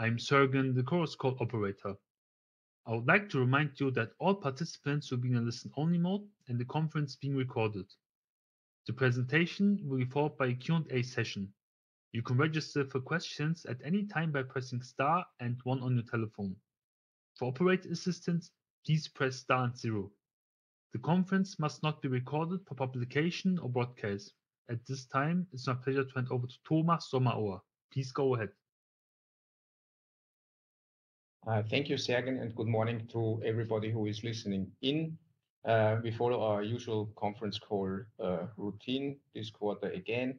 I am [Siergen], the Chorus Call operator. I would like to remind you that all participants will be in listen-only mode and the conference is being recorded. The presentation will be followed by a Q&A session. You can register for questions at any time by pressing star and one on your telephone. For operator assistance, please press star and zero. The conference must not be recorded for publication or broadcast at this time. It's my pleasure to hand over to Thomas Sommerauer. Please go ahead. Thank you, [Siergen]. Good morning to everybody who is listening in. We follow our usual conference call routine this quarter again.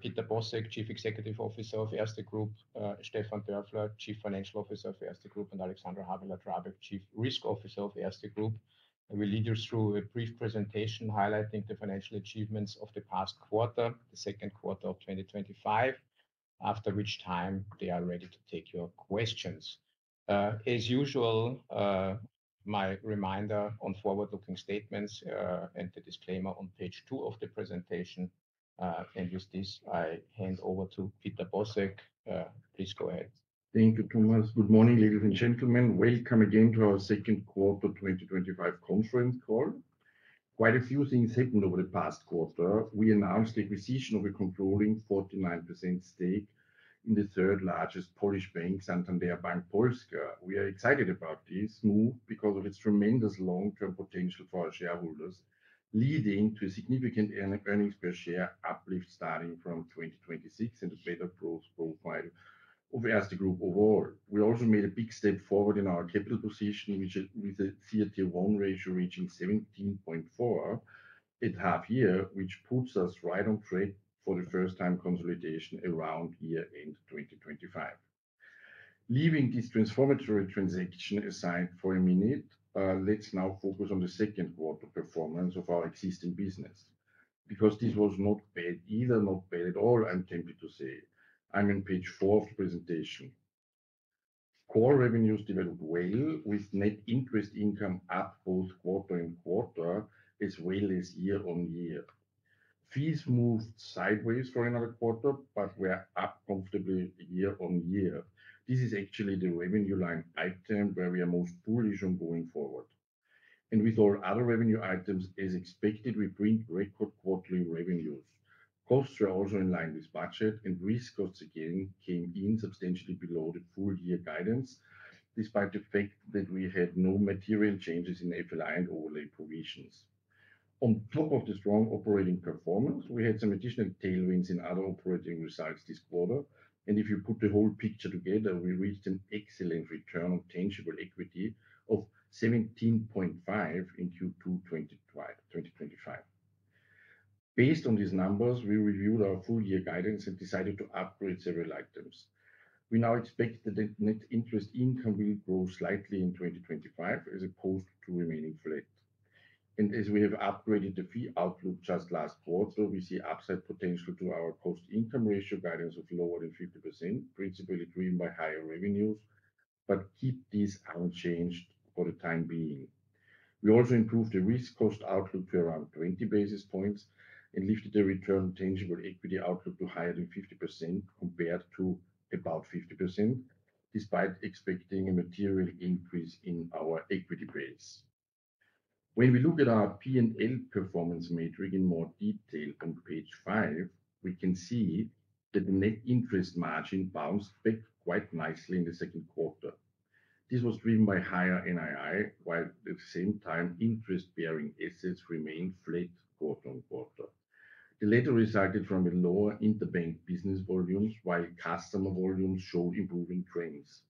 Peter Bosek, Chief Executive Officer of Erste Group, Stefan Dörfler, Chief Financial Officer of Erste Group, and Alexandra Habeler-Drabek, Chief Risk Officer of Erste Group. We lead you through a brief presentation highlighting the financial achievements of the past quarter, the second quarter of 2025, after which time they are ready to take your questions. As usual, my reminder on forward-looking statements and the disclaimer on page two of the presentation, and with this I hand over to Peter Bosek. Please go ahead. Thank you, Thomas. Good morning ladies and gentlemen. Welcome again to our Second Quarter 2025 Conference Call. Quite a few things happened over the past quarter. We announced the acquisition of a controlling 49% stake in the third largest Polish bank, Santander Bank Polska. We are excited about this move because of its tremendous long-term potential for our shareholders, leading to a significant earnings per share uplift starting from 2026 and a better growth profile of Erste Group overall. We also made a big step forward in our capital position with a common equity tier 1 ratio reaching 17.4% at half year, which puts us right on track for the first time consolidation around year end 2025. Leaving this transformatory transaction aside for a minute, let's now focus on the second quarter performance of our existing business because this was not bad either. Not bad at all. I'm tempted to say I'm on page four of the presentation. Core revenues developed well with net interest income up both quarter-on-quarter as well as year-on-year. Fees moved sideways for another quarter, but were up comfortably year-on-year. This is actually the revenue line item where we are most bullish on going forward, and with all other revenue items as expected, we bring record quarterly revenues. Costs were also in line with budget and risk costs again came in substantially below the full year guidance. Despite the fact that we had no material changes in FLI and overlay provisions. On top of the strong operating performance, we had some additional tailwinds in other operating results this quarter, and if you put the whole picture together, we reached an excellent return on tangible equity of 17.5% in Q2 2025. Based on these numbers, we reviewed our full year guidance and decided to upgrade several items. We now expect that net interest income will grow slightly in 2025 as opposed to remaining flat. As we have upgraded the fee outlook just last quarter, we see upside potential to our cost/income ratio guidance of lower than 50%, principally driven by higher revenues, but keep these unchanged for the time being. We also improved the risk cost outlook to around 20 basis points and lifted the return on tangible equity outlook to higher than 15% compared to about 15%, despite expecting a material increase in our equity base. When we look at our P&L performance metric in more detail on page five, we can see that the net interest margin bounced back quite nicely in the second quarter. This was driven by higher net interest income while at the same time interest-bearing assets remained flat quarter-on-quarter. The latter resulted from lower interbank business volumes while customer volumes showed improving trends.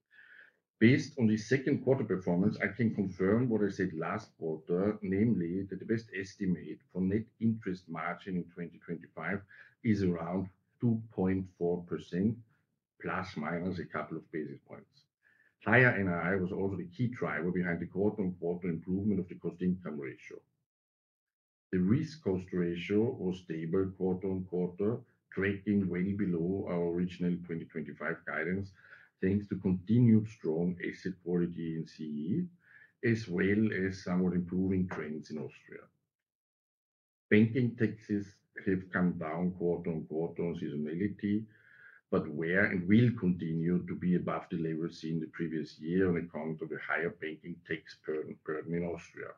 Based on the second quarter performance, I can confirm what I said last quarter, namely that the best estimate for net interest margin in 2025 is around 2.4%, plus or minus a couple of basis points higher. Net interest income was also the key driver behind the quarter-on-quarter improvement of the cost/income ratio. The risk cost ratio was stable quarter-on-quarter, tracking well below our original 2025 guidance thanks to continued strong asset quality in CEE as well as somewhat improving trends in Austria. Banking taxes have come down quarter-on-quarter on seasonality, but were and will continue to be above the level seen the previous year on account of the higher banking tax burden in Austria.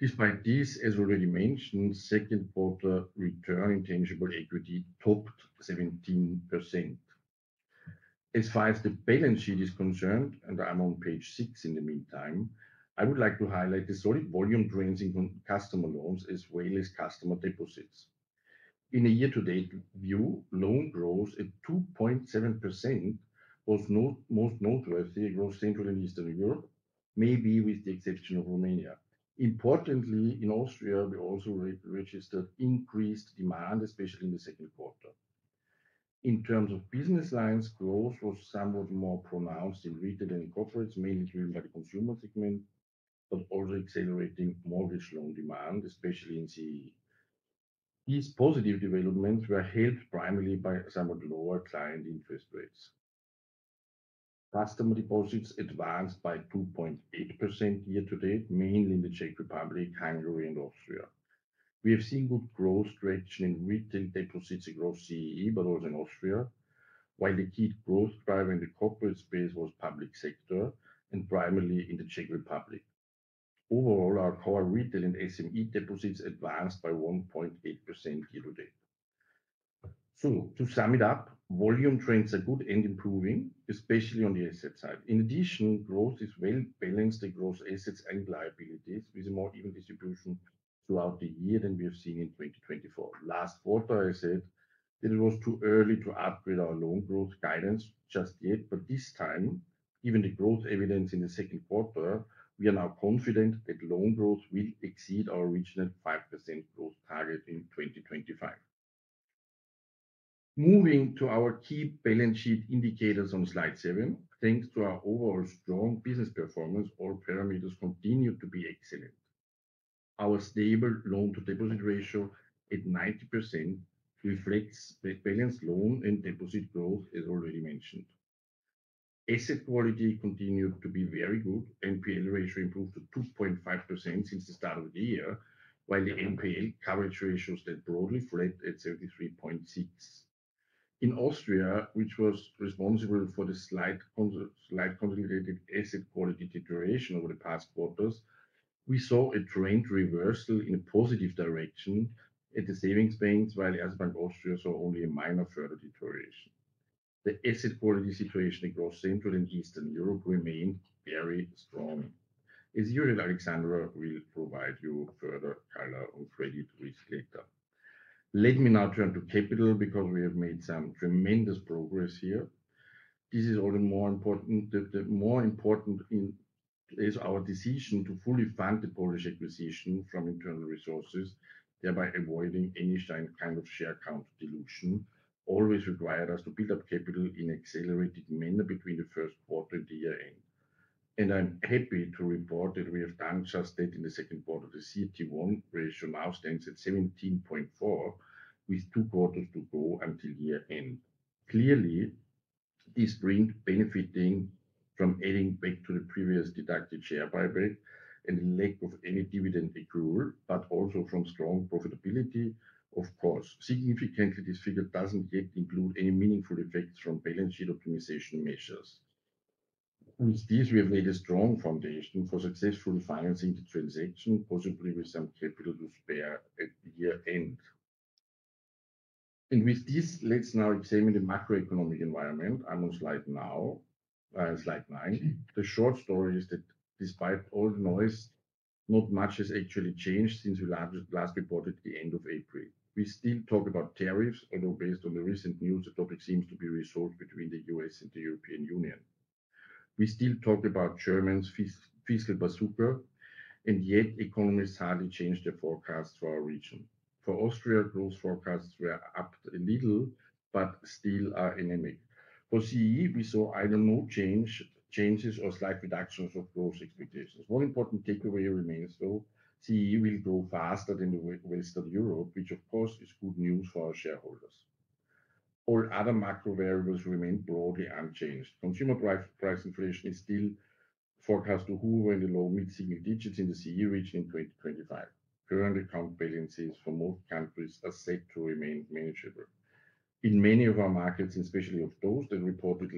Despite this, as already mentioned, second quarter return on tangible equity topped 17%. As far as the balance sheet is concerned and I'm on page six. In the meantime, I would like to highlight the solid volume trends in customer loans as well as customer deposits. In a year-to-date view, loan growth at 2.7%, most notably growing in Central and Eastern Europe, maybe with the exception of Romania. Importantly, in Austria we also registered increased demand, especially in the second quarter. In terms of business lines, growth was somewhat more pronounced in retail than in corporates, mainly driven by the consumer segment but also accelerating mortgage loan demand, especially in CEE. These positive developments were helped primarily by somewhat lower client interest rates. Customer deposits advanced by 2.8% year to date, mainly in the Czech Republic, Hungary, and Austria. We have seen good growth direction in retail deposits across CEE but also in Austria, while the key growth driver in the corporate space was public sector and primarily in the Czech Republic. Overall, our core retail and SME deposits advanced by 1.8% year to date. To sum it up, volume trends are good and improving, especially on the asset side. In addition, growth is well balanced between the gross assets and liabilities with a more even distribution throughout the year than we have seen in 2024. Last quarter I said that it was too early to upgrade our loan growth guidance just yet, but this time, given the growth evidence in the second quarter, we are now confident that loan growth will exceed our original 5% growth target in 2025. Moving to our key balance sheet indicators on slide seven, thanks to our overall strong business performance, all parameters continue to be excellent. Our stable loan to deposit ratio at 90% reflects balanced loan and deposit growth. As already mentioned, asset quality continued to be very good. The NPL ratio improved to 2.5% since the start of the year, while the NPL coverage ratio is at 73.6%. In Austria, which was responsible for the slight consolidated asset quality deterioration over the past quarters, we saw a trend reversal in a positive direction at the savings banks, while Erste Bank Austria saw only a minor further deterioration. The asset quality situation across Central and Eastern Europe remained very strong. As usual, Alexandra will provide you further color on credit risk later. Let me now turn to capital because we have made some tremendous progress here. This is all the more important. More important is our decision to fully fund the Polish acquisition from internal resources, thereby avoiding any kind of share count dilution. This required us to build up capital in an accelerated manner between the first quarter and the year end, and I'm happy to report that we have done just that in the second quarter. The CET1 ratio now stands at 17.4% with two quarters to go until year end. Clearly, this brings benefits from adding back the previously deducted share buyback and the lack of any dividend accrual, but also from strong profitability. Of course, significantly, this figure doesn't yet include any meaningful effects from balance sheet optimization measures. With these, we have laid a strong foundation for successfully financing the transaction, possibly with some capital to spare at the year end. With this, let's now examine the macroeconomic environment. I'm on slide now. Slide nine. The short story is that despite all the noise, not much has actually changed since we last reported at the end of April. We still talk about tariffs, although based on the recent news, the topic seems to be resolved between the U.S. and the European Union. We still talk about Germany's fiscal bazooka, and yet economies hardly changed their forecasts for our region. For Austria, growth forecasts were up a little but still are anemic. For CEE, we saw either no changes or slight reductions of growth expectations. One important takeaway remains though: CEE will grow faster than Western Europe, which of course is good news for our shareholders. All other macro variables remain broadly unchanged. Consumer price inflation is still forecast to hover in the low to mid-single digits in the CEE region in 2025. Current account balances for most countries are set to remain manageable in many of our markets, especially those that reported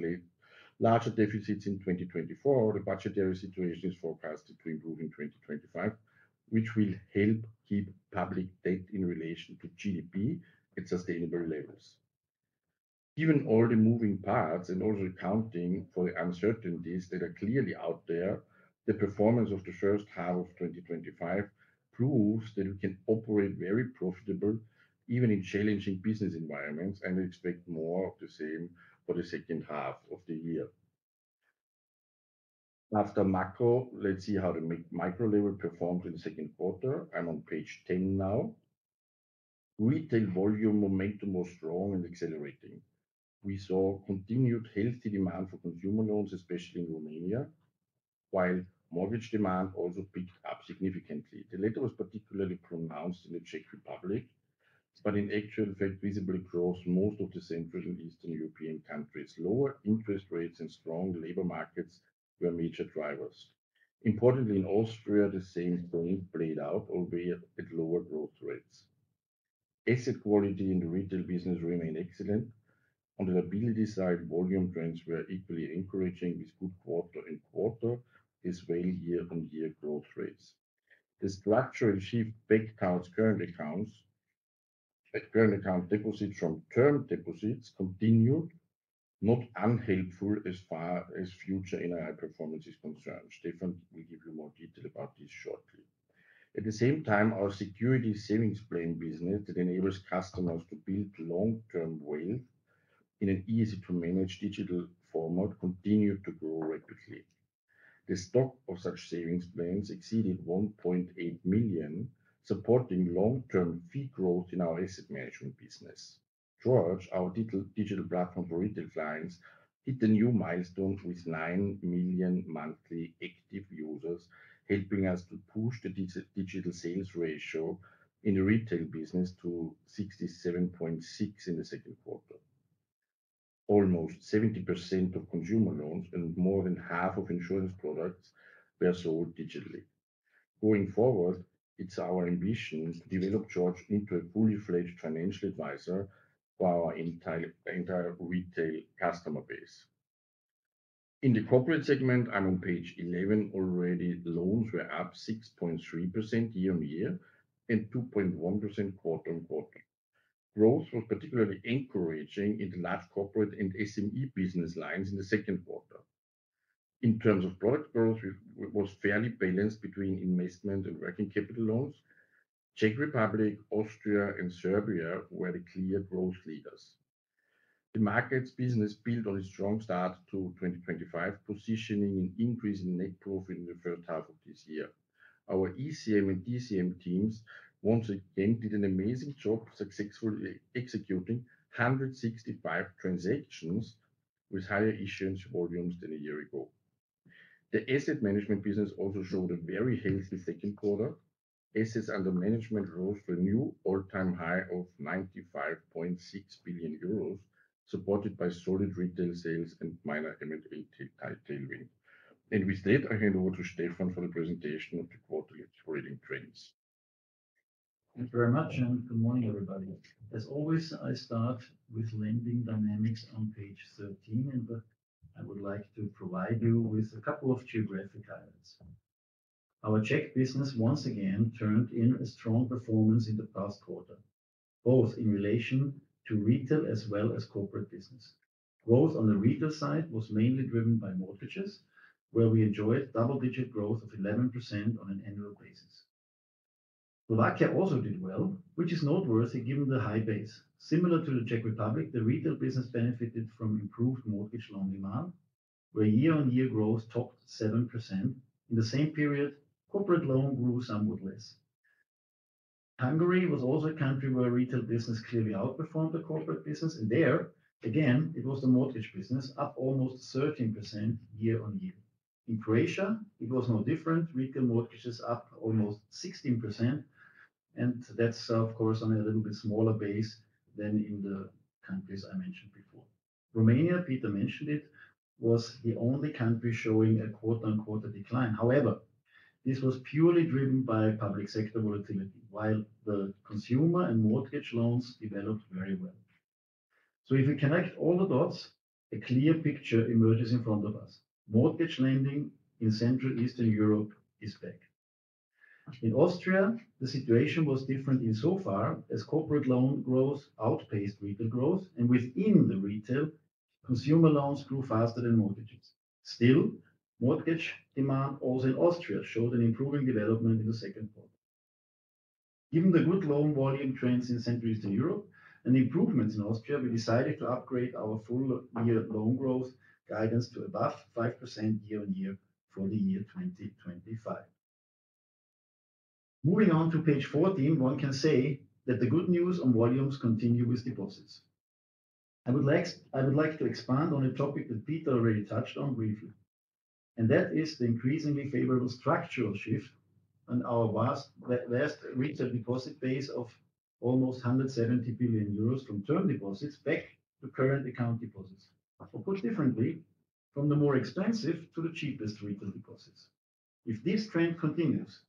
larger deficits in 2024. The budgetary situation is forecast to improve in 2025, which will help keep public debt in relation to GDP at sustainable levels. Given all the moving parts and also accounting for the uncertainties that are clearly out there, the performance of the first half of 2025 proves that we can operate very profitably even in challenging business environments and expect more of the same for the second half of the year. After macro, let's see how the micro level performed in the second quarter. I'm on page 10 now. Retail volume momentum was strong and accelerating. We saw continued healthy demand for consumer loans, especially in Romania, while mortgage demand also picked up significantly. The latter was particularly pronounced in the Czech Republic, but in actual fact visible across most of the Central and Eastern European countries. Lower interest rates and strong labor markets were major drivers. Importantly, in Austria the same thing played out, albeit at lower growth rates. Asset quality in the retail business remained excellent. On the liability side, volume trends were equally encouraging with good quarter-on-quarter as well as year-on-year growth rates. The structural shift back towards current accounts, current account deposits from term deposits continued, not unhelpful as far as future net interest income performance is concerned. Stefan will give you more detail about this shortly. At the same time, our security savings plan business that enables customers to build long-term wealth in an easy-to-manage digital format continued to grow rapidly. The stock of such savings plans exceeded 1.8 million, supporting long-term fee growth in our asset management business. George, our digital platform for retail clients, hit a new milestone with 9 million monthly active users, helping us to push the digital sales ratio in the retail business to 67.6%. In the second quarter, almost 70% of consumer loans and more than half of insurance products were sold digitally. Going forward, it's our ambition to develop George into a fully fledged financial advisor for our entire retail customer base. In the corporate segment, I'm on page 11 already. Loans were up 6.3% year-on-year and 2.1% quarter-on-quarter. Growth was particularly encouraging in the large corporate and SME business lines in the second quarter. In terms of product, growth was fairly balanced between investment and working capital loans. Czech Republic, Austria, and Serbia were the clear growth leaders. The markets business built on a strong start to 2024, positioning an increase in net profit in the first half of this year. Our ECM and DCM teams once again did an amazing job successfully executing 165 transactions with higher issuance volumes than a year ago. The asset management business also showed a very healthy second quarter. Assets under management rose to a new all-time high of 95.6 billion euros, supported by solid retail sales and minor M tailwind. With that, I hand over to Stefan for the presentation of the quarterly trading trends. Thank you very much and good morning everybody. As always, I start with lending dynamics on page 13 and I would like to provide you with a couple of geographic highlights. Our Czech business once again turned in a strong performance in the past quarter both in relation to retail as well as corporate business. Growth on the retail side was mainly driven by mortgages where we enjoyed double-digit growth of 11% on an annual basis. Slovakia also did well, which is noteworthy given the high base. Similar to the Czech Republic, the retail business benefited from improved mortgage loan demand where year-on-year growth topped 7%. In the same period, corporate loan grew somewhat less. Hungary was also a country where retail business clearly outperformed the corporate business and there again it was the mortgage business up almost 13% year-on-year. In Croatia it was no different. Retail mortgages up almost 16%. That is of course on a little bit smaller base than in the countries I mentioned before. Romania Peter mentioned it was the only country showing a quote unquote decline. However, this was purely driven by public sector volatility while the consumer and mortgage loans developed very well. If you connect all the dots, a clear picture emerges in front of us. Mortgage lending in Central and Eastern Europe is back. In Austria the situation was different in so far as corporate loan growth outpaced retail growth and within the retail consumer loans grew faster than mortgages. Still, mortgage demand also in Austria showed an improving development in the second quarter. Given the good loan volume trends in Central and Eastern Europe and improvements in Austria, we decided to upgrade our full-year loan growth guidance to above 5% year-on-year for the year 2025. Moving on to page 14, one can say that the good news on volumes continue with deposits. I would like to expand on a topic that Peter already touched on briefly and that is the increasingly favorable structural shift and our last retail deposit base of almost 170 billion euros from term deposits back to current account deposits or put differently from the more expensive to the cheapest retail deposits. If this trend continues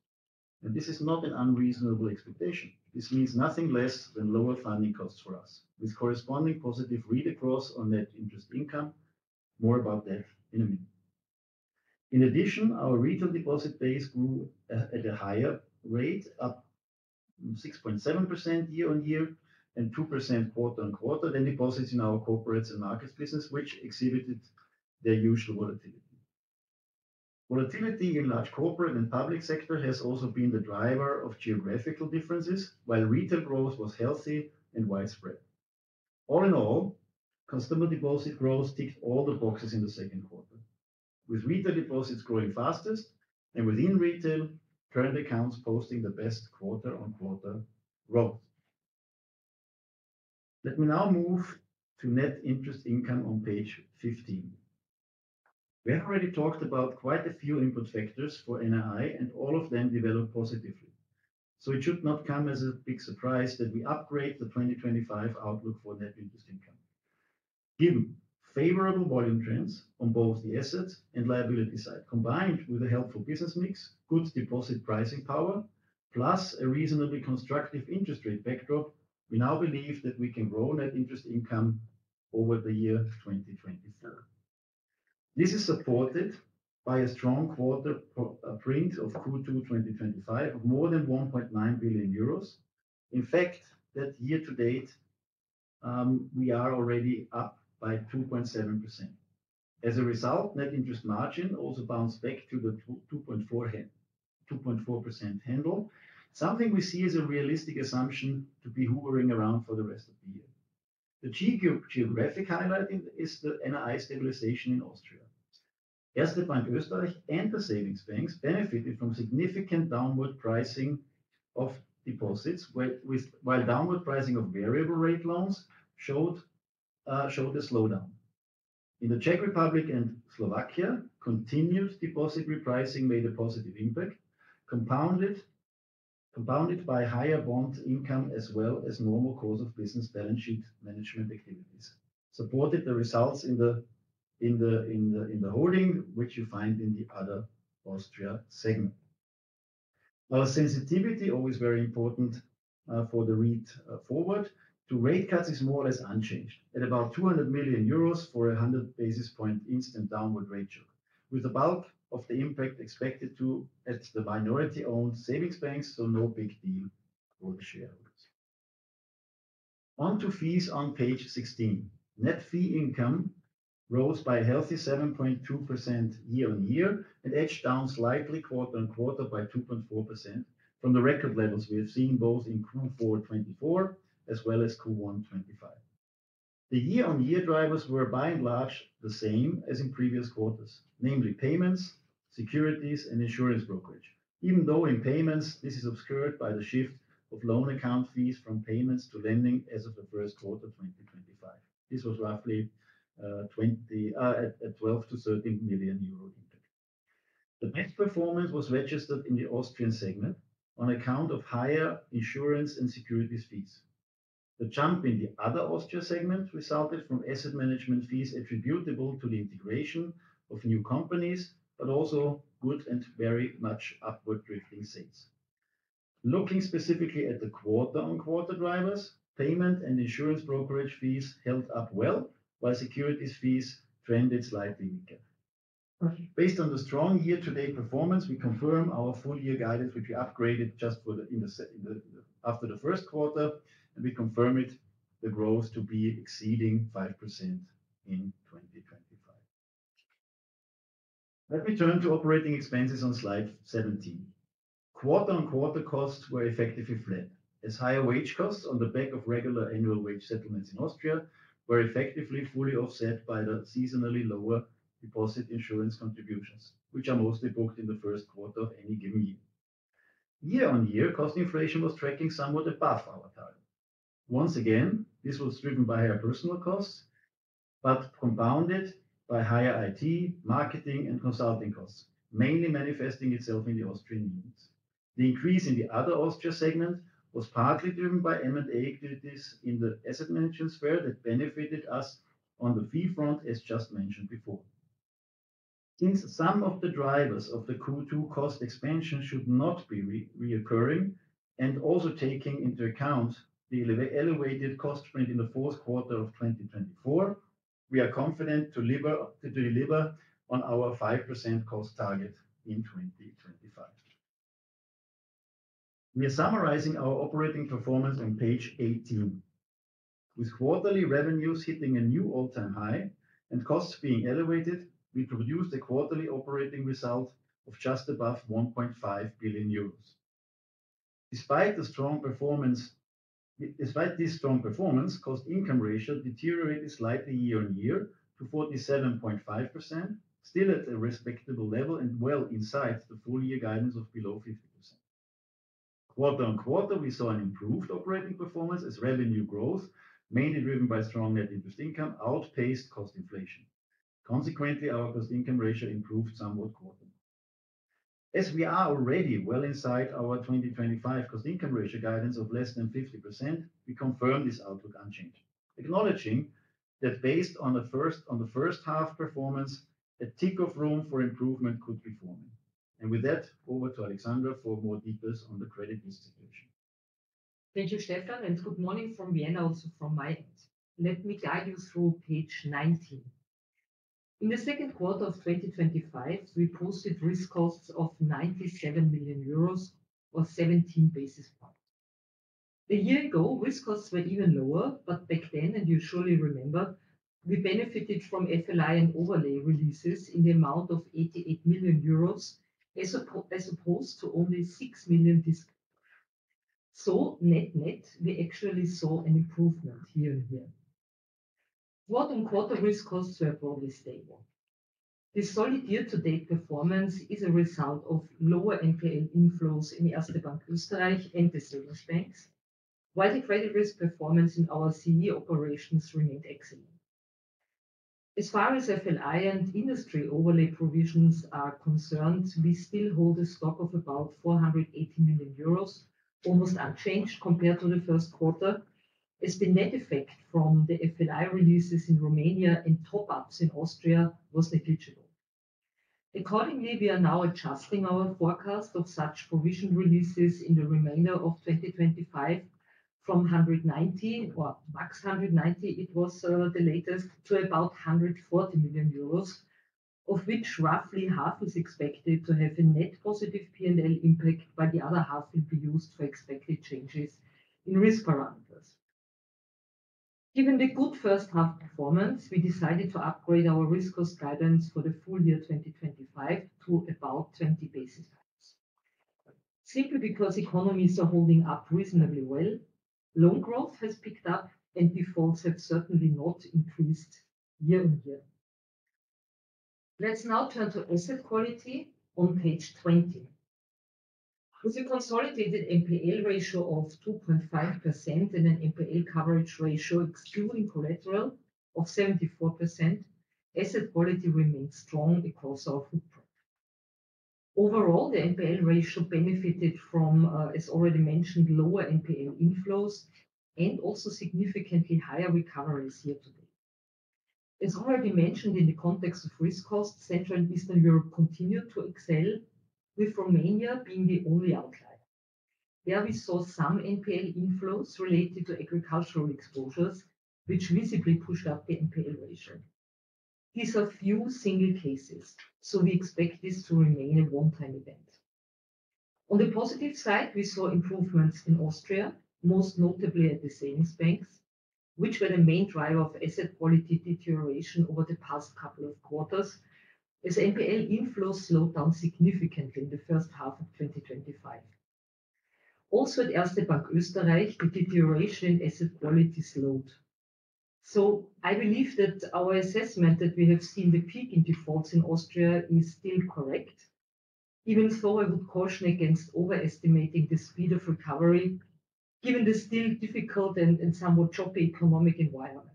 and this is not an unreasonable expectation, this means nothing less than lower funding costs for us with corresponding positive read across on net interest income. More about that in a minute. In addition, our retail deposit base grew at a higher rate, up 6.7% year-on-year and 2% quarter-on-quarter, than deposits in our corporates and markets business, which exhibited their usual volatility. Volatility in large corporate and public sector has also been the driver of geographical differences, while retail growth was healthy and widespread. All in all, consumable deposit growth ticked all the boxes in the second quarter, with retail deposits growing fastest and within retail, current accounts posting the best quarter-on-quarter. Let me now move to net interest income on page 15. We have already talked about quite a few input factors for NII, and all of them develop positively. It should not come as a big surprise that we upgrade the 2025 outlook for net interest income. Given favorable volume trends on both the assets and liability side, combined with a helpful business mix, good deposit pricing power, plus a reasonably constructive interest rate backdrop, we now believe that we can grow net interest income over the year 2024. This is supported by a strong quarter print of Q2 2025 of more than 1.9 billion euros. In fact, year to date we are already up by 2.7%. As a result, net interest margin also bounced back to the 2.4% handle, something we see as a realistic assumption to be hovering around for the rest of the year. The geographic highlighting is the NII stabilization in Austria, and the savings banks benefited from significant downward pricing of deposits, while downward pricing of variable rate loans showed a slowdown. In the Czech Republic and Slovakia, continued deposit repricing made a positive impact, compounded by higher bond income as well as normal course of business. Balance sheet management activities supported the results in the holding, which you find in the other Austria segment. Our sensitivity, always very important for the read forward to rate cuts, is more or less unchanged at about 200 million euros for 100 basis point instant downward ratio, with a bulk of the impact expected at the minority owned savings banks, so no big deal for the shareholders. On to fees on page 16. Net fee income rose by a healthy 7.2% year-on-year and edged down slightly quarter-on-quarter by 2.4% from the record levels we have seen both in Q4 2024 as well as Q1 2025. The year-on-year drivers were by and large the same as in previous quarters, namely payments, securities, and insurance brokerage, even though in payments this is obscured by the shift of loan account fees from payments to lending. As of the first quarter 2025, this was roughly at 12 million-13 million euros impact. The best performance was registered in the Austrian segment on account of higher insurance and security fees. The jump in the Other Austria segment resulted from asset management fees attributable to the integration of new companies but also good and very much upward drifting sales. Looking specifically at the quarter-on-quarter drivers, payment and insurance brokerage fees held up well while securities fees trended slightly weaker. Based on the strong year to date performance, we confirm our full year guidance which we upgraded after the first quarter and we confirm the growth to be exceeding 5% in 2025. Let me turn to operating expenses on slide 17. Quarter-on-quarter costs were effectively flat as higher wage costs on the back of regular annual wage settlements in Austria were effectively fully offset by the seasonally lower deposit insurance contributions which are mostly booked in the first quarter of any given year. Year on year cost inflation was tracking somewhat above our target. Once again, this was driven by higher personnel costs but compounded by higher IT, marketing, and consulting costs mainly manifesting itself in the Austrian unions. The increase in the Other Austria segment was partly driven by M&A activities in the asset management sphere that benefited us on the fee front. As just mentioned before, since some of the drivers of the Q2 cost expansion should not be reoccurring and also taking into account the elevated cost sprint in the fourth quarter of 2024, we are confident to deliver on our 5% cost target in 2025. We are summarizing our operating performance on page 18. With quarterly revenues hitting a new all-time high and costs being elevated, we produced a quarterly operating result of just above 1.5 billion euros. Despite this strong performance, cost/income ratio deteriorated slightly year-on-year to 47.5%, still at a respectable level and well inside the full year guidance of below 50%. Quarter-on-quarter we saw an improved operating performance as revenue growth, mainly driven by strong net interest income, outpaced cost inflation. Consequently, our cost/income ratio improved somewhat quarterly, as we are already well inside our 2025 cost/income ratio guidance of less than 50%. We confirm this outlook unchanged, acknowledging that based on the first half performance a tick of room for improvement could be forming. With that, over to Alexandra for more details on the credit distribution. Thank you, Stefan, and good morning from Vienna. Also from my end. Let me guide you through page 19. In the second quarter of 2025 we posted risk costs of 97 million euros or 17 basis points. A year ago risk costs were even lower. Back then, and you surely remember, we benefited from FLI and overlay releases in the amount of 88 million euros as opposed to only 6 million this quarter. Net net we actually saw an improvement here and quarter risk costs were broadly stable this solid year. To date performance is a result of lower NPL inflows in the Erste Bank Oesterreich and the savings banks, while the credit risk performance in our CEE operations remained excellent. As far as FLI and industry overlay provisions are concerned, we still hold a stock of about 480 million euros, almost unchanged compared to the first quarter as the net effect from the FLI releases in Romania and top-ups in Austria was negligible. Accordingly, we are now adjusting our forecast of such provision releases in the remainder of 2025 from 190 million, or max 190 million as was the latest, to about 140 million euros, of which roughly half is expected to have a net positive P&L impact, while the other half will be used for expected changes in risk parameters. Given the good first half performance, we decided to upgrade our risk cost guidance for the full year 2025 to about 20 basis points simply because economies are holding up reasonably well, loan growth has picked up and defaults have certainly not increased year-on-year. Let's now turn to asset quality on page 20. With a consolidated NPL ratio of 2.5% and an NPL coverage ratio excluding collateral of 74%, asset quality remains strong across our footprint. Overall, the NPL ratio benefited from, as already mentioned, lower NPL inflows and also significantly higher recoveries year to date, as already mentioned in the context of risk costs. Central and Eastern Europe continued to excel with Romania being the only outlier. There we saw some NPL inflows related to agricultural exposures which visibly pushed up the NPL ratio. These are few single cases, so we expect this to remain a one-time event. On the positive side, we saw improvements in Austria, most notably at the savings banks which were the main driver of asset quality deterioration over the past couple of quarters. As NPL inflows slowed down significantly in the first half of 2025, also at Erste Bank Oesterreich, the deterioration in asset quality slowed. I believe that our assessment that we have seen the peak in defaults in Austria is still correct, even though I would caution against overestimating the speed of recovery given the still difficult and somewhat choppy economic environment.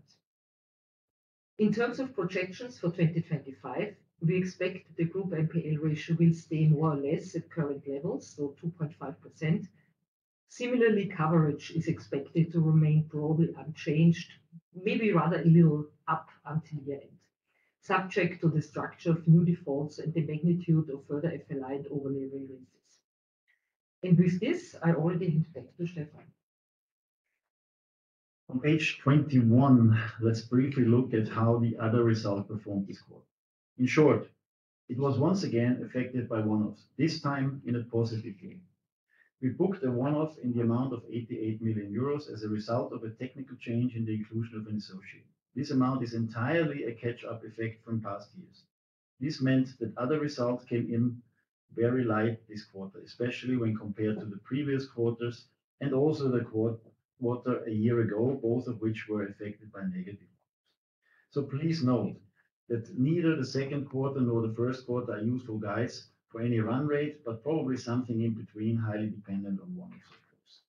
In terms of projections for 2025, we expect the group NPL ratio will stay more or less at current levels, so 2.5%. Similarly, coverage is expected to remain probably unchanged, maybe rather a little up until the end, subject to the structure of new defaults and the magnitude of further flavor releases. With this I already hand back to Stefan. On page 21, let's briefly look at how the other result performed this quarter. In short, it was once again affected by one-offs, this time in a positive gain. We booked a one-off in the amount of 88 million euros as a result of a technical change in the inclusion of an associate. This amount is entirely a catch-up effect from past years. This meant that other results came in very light this quarter, especially when compared to the previous quarters and also the quarter a year ago, both of which were affected by negative ones. Please note that neither the second quarter nor the first quarter are used for guides for any run rate, but probably something in between, highly dependent on one-offs.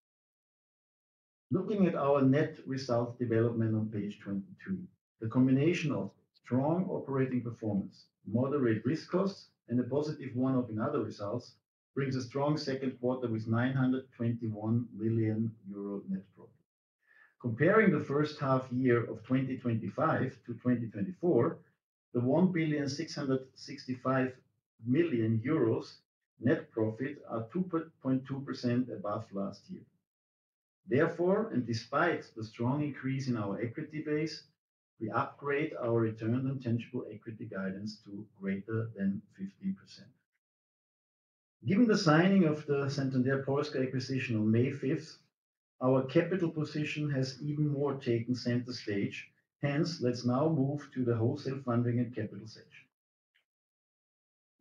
Looking at our net result development on page 22, the combination of strong operating performance, moderate risk costs, and a positive one-off in other results brings a strong second quarter with 921 million euro net profit. Comparing the first half year of 2024-2025, the EUR 1,665 million net profit is 2.2% above last year. Therefore, and despite the strong increase in our equity base, we upgrade our return on tangible equity guidance to greater than 15%. Given the signing of the Santander Polska acquisition on May 5th, our capital position has even more taken center stage. Hence, let's now move to the wholesale funding and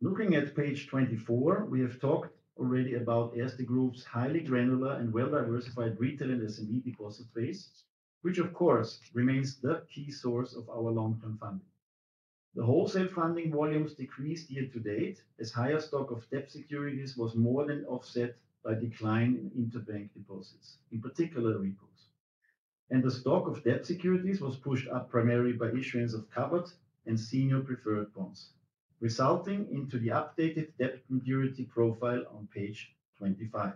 capital search. Looking at page 24, we have talked already about Erste Group Bank's highly granular and well-diversified retail and SME deposit base, which of course remains the key source of our long-term funding. The wholesale funding volumes decreased year to date as higher stock of debt securities was more than offset by decline in interbank deposits, in particular repos, and the stock of debt securities was pushed up primarily by issuance of covered and senior preferred bonds, resulting in the updated debt maturity profile on page 25.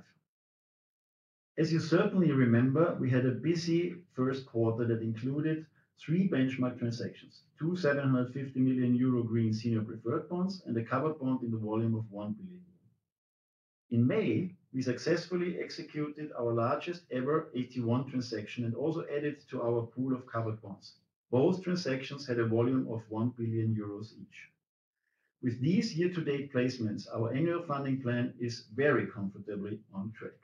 As you certainly remember, we had a busy first quarter that included three benchmark transactions, two 750 million euro green senior preferred bonds and a covered bond in the volume of 1 billion euro. In May, we successfully executed our largest ever AT1 transaction and also added to our pool of covered bonds. Both transactions had a volume of 1 billion euros each. With these year-to-date placements, our annual funding plan is very comfortably on track.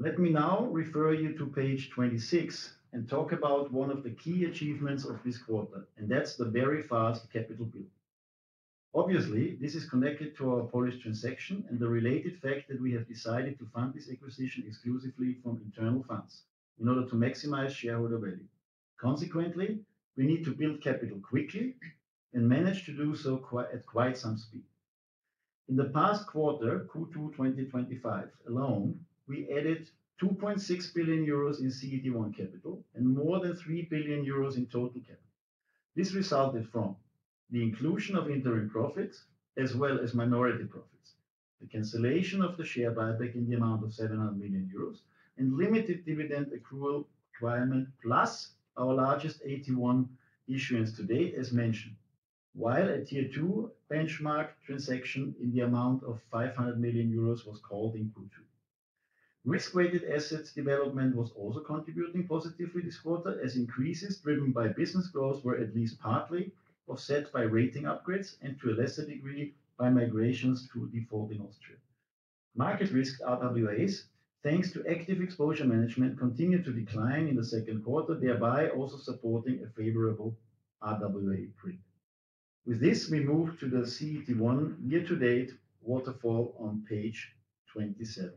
Let me now refer you to page 26 and talk about one of the key achievements of this quarter, and that's the very fast capital building. Obviously this is connected to our Polish transaction and the related fact that we have decided to fund this acquisition exclusively from internal funds in order to maximize shareholder value. Consequently, we need to build capital quickly and manage to do so at quite some speed. In the past quarter Q2 2025 alone, we added 2.6 billion euros in CET1 capital and more than 3 billion euros in total capital. This resulted from the inclusion of interim profits as well as minority profits, the cancellation of the share buyback in the amount of 700 million euros, and limited dividend accrual requirement plus our largest AT1 issuance to date. As mentioned, while a Tier 2 benchmark transaction in the amount of 500 million euros was called, risk weighted assets development was also contributing positively this quarter as increases driven by business growth were at least positive, partly offset by rating upgrades and to a lesser degree by migrations to default. In Austria, Market Risk RWAs, thanks to active exposure management, continued to decline in the second quarter, thereby also supporting a favorable RWA print. With this, we move to the CET1 year to date waterfall on page 27,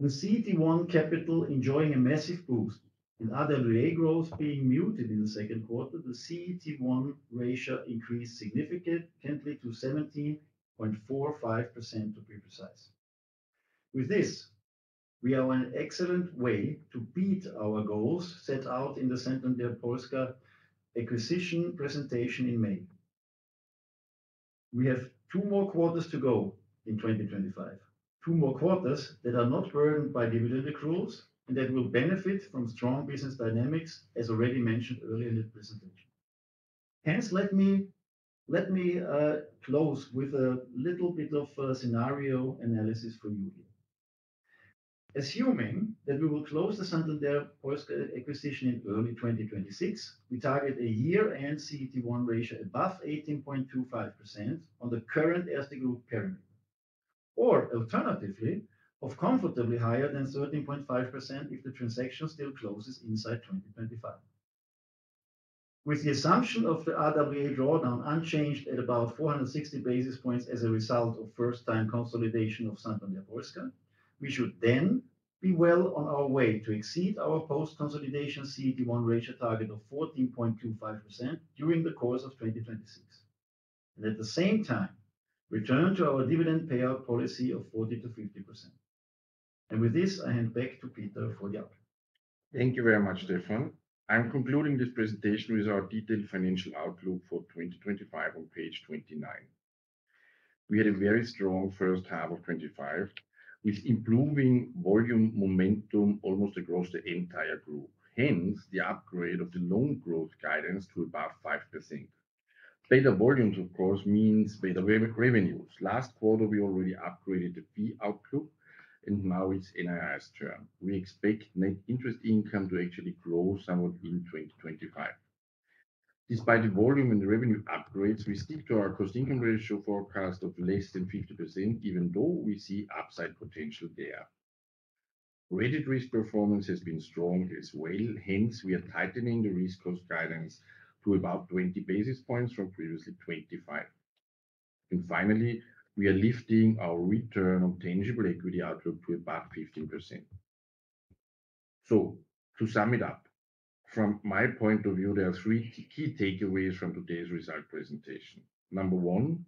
the CET1 capital enjoying a massive boost and RWA growth being muted in the second quarter, the CET1 ratio increased significantly to 17.45% to be precise. With this, we are an excellent way to beat our goals set out in the Santander Polska acquisition presentation in May. We have two more quarters to go in 2025, two more quarters that are not burdened by dividend accruals and that will benefit from strong business dynamics as already mentioned earlier in the presentation. Hence, let me close with a little bit of scenario analysis for you here. Assuming that we will close the Santander Polska acquisition in early 2026, we target a year end CET1 ratio above 18.25% on the current SDU parameter or alternatively of comfortably higher than 13.5% if the transaction still closes inside 2025 with the assumption of the RWA drawdown unchanged at about 460 basis points as a result of first time consolidation of Santander Polska. We should then be well on our way to exceed our post consolidation CET1 ratio target of 14.25% during the course of 2026 and at the same time return to our dividend payout policy of 40%-50%. With this, I hand back to. Peter for the outlook. Thank you very much, Stefan. I'm concluding this presentation with our detailed financial outlook for 2025 on page 29. We had a very strong first half of 2025 with improving volume momentum almost across the entire group. Hence the upgrade of the loan growth guidance to about 5%. Beta volumes of course means beta revenues. Last quarter we already upgraded the fee outlook and now it's NII's turn. We expect net interest income to actually grow somewhat in 2025 despite the volume and revenue upgrades. We stick to our cost/income ratio forecast of less than 50% even though we see upside potential there. Rated risk performance has been strong as well. Hence we are tightening the risk cost guidance to about 20 basis points from previously 25. Finally, we are lifting our return on tangible equity outlook to about 15%. To sum it up from my point of view, there are three key takeaways from today's result presentation. Number one,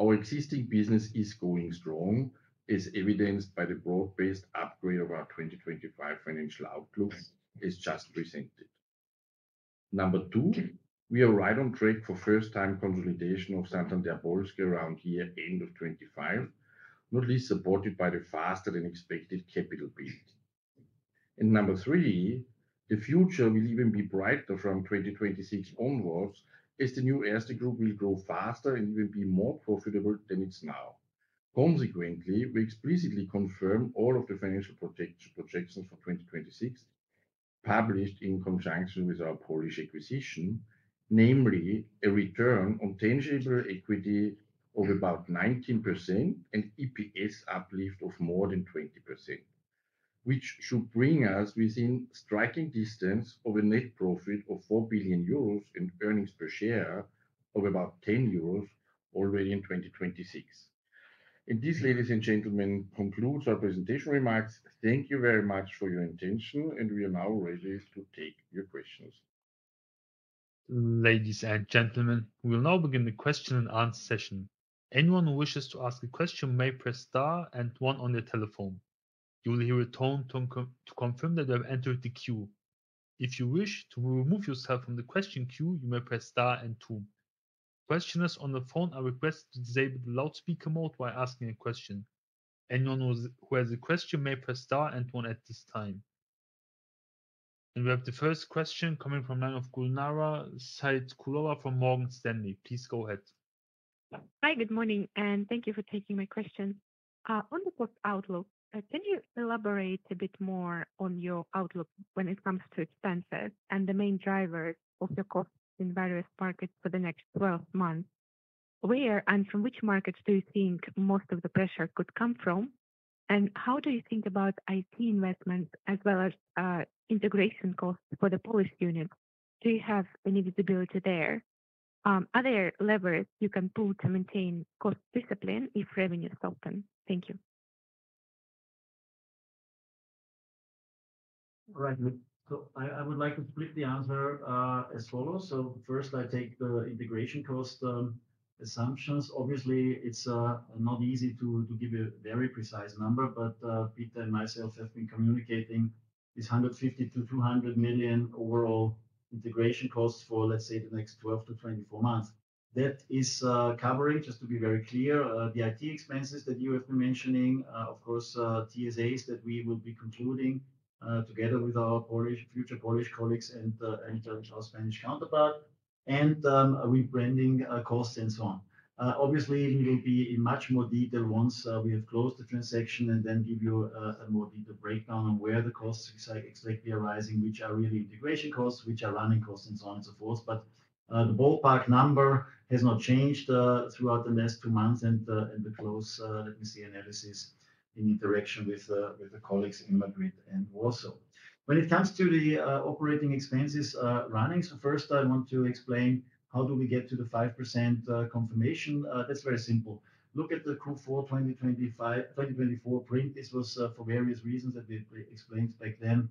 our existing business is going strong as evidenced by the broad-based upgrade of our 2025 financial outlook as just presented. Number two, we are right on track for first-time consolidation of Santander Polska around year-end 2025, not least supported by the faster than expected capital build. Number three, the future will even be brighter from 2026 onwards as the new SD group will grow faster and even be more profitable than it is now. Consequently, we explicitly confirm all of the financial projections for 2026 published in conjunction with our Polish acquisition, namely a return on tangible equity of about 19% and EPS uplift of more than 20%, which should bring us within striking distance of a net profit of 4 billion euros and earnings per share of about 10 euros already in 2026. This, ladies and gentlemen, concludes our presentation remarks. Thank you very much for your attention and we are now ready to your questions. Ladies and gentlemen, we will now begin the question and answer session. Anyone who wishes to ask a question may press star and one on their telephone. You will hear a tone to confirm that you have entered the queue. If you wish to remove yourself from the question queue, you may press star and two. Questioners on the phone are requested to disable the loudspeaker mode while asking a question. Anyone who has a question may press star and one at this time. We have the first question coming from Gulnara Saitkulova from Morgan Stanley, please go ahead. Hi, good morning and thank you for taking my question on the cost outlook. Can you elaborate a bit more on. Your outlook when it comes to expenses. are the main drivers of your costs in various markets for the next 12 months? Where and from which markets do you think most of the pressure could come from, and how do you think about IT investments as well as integration costs for the Polish unit? Do you have any visibility there? Are there levers you can pull to maintain cost discipline if revenue soften? Thank you. All right, I would like to. Split the answer as follows. First, I take the integration cost assumptions. Obviously, it's not easy to give a very precise number, but Peter and myself have been communicating this $150 million-$200 million overall integration costs for, let's say, the next 12 months-24 months. That is covering, just to be very clear, the IT expenses that you have been mentioning. Of course, TSAs that we will be concluding together with our future Polish colleagues and our Spanish counterpart, and rebranding costs and so on. We will be in much more detail once we have closed the transaction and then give you a more detailed breakdown on where the costs exactly are rising, which are really integration costs, which are running costs, and so on and so forth. The ballpark number has not changed throughout the last two months and the close. Let me see analysis in interaction with the colleagues in Madrid and Warsaw when it comes to the operating expenses running. First, I want to explain how do we get to the 5% confirmation. That's very simple. Look at the Q4 2024 print. This was, for various reasons that we explained back then,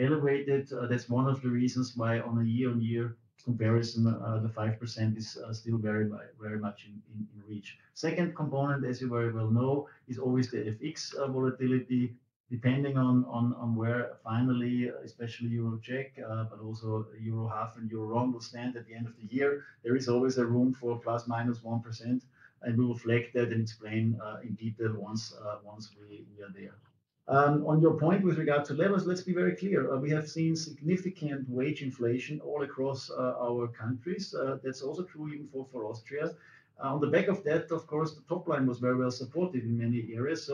elevated. That's one of the reasons why on a year-on-year comparison, the 5% is still very much in reach. The second component, as you very well know, is always the FX volatility, depending on where finally, especially Euro/CZK, but also Euro/HUF and Euro will stand at the. End of the year. There is always room for ±1% and we will flag that and explain in detail once we are there. On your point with regard to levels, let's be very clear, we have seen significant wage inflation all across our countries. That's also true for Austria. On the back of that, of course, the top line was very well supported in many areas.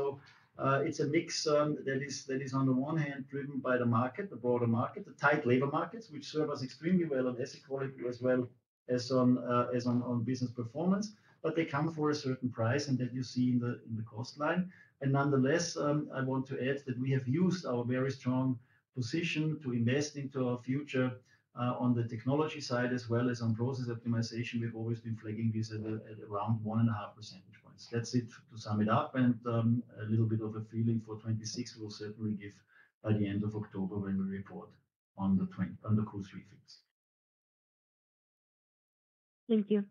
It's a mix that is, on the one hand, driven by the market, the broader market, the tight labor markets, which serve us extremely well on asset quality as well as on business performance. They come for a certain price and that you see in the cost line. Nonetheless, I want to add that we have used our very strong position to invest into our future on the technology side as well as on process optimization. We've always been flagging this at around 1.5 percentage points. That's it. To sum it up and a little bit of a feeling for 2026, we'll certainly give by the end of October when we report on the 2020 on the cruise refix. Thank you.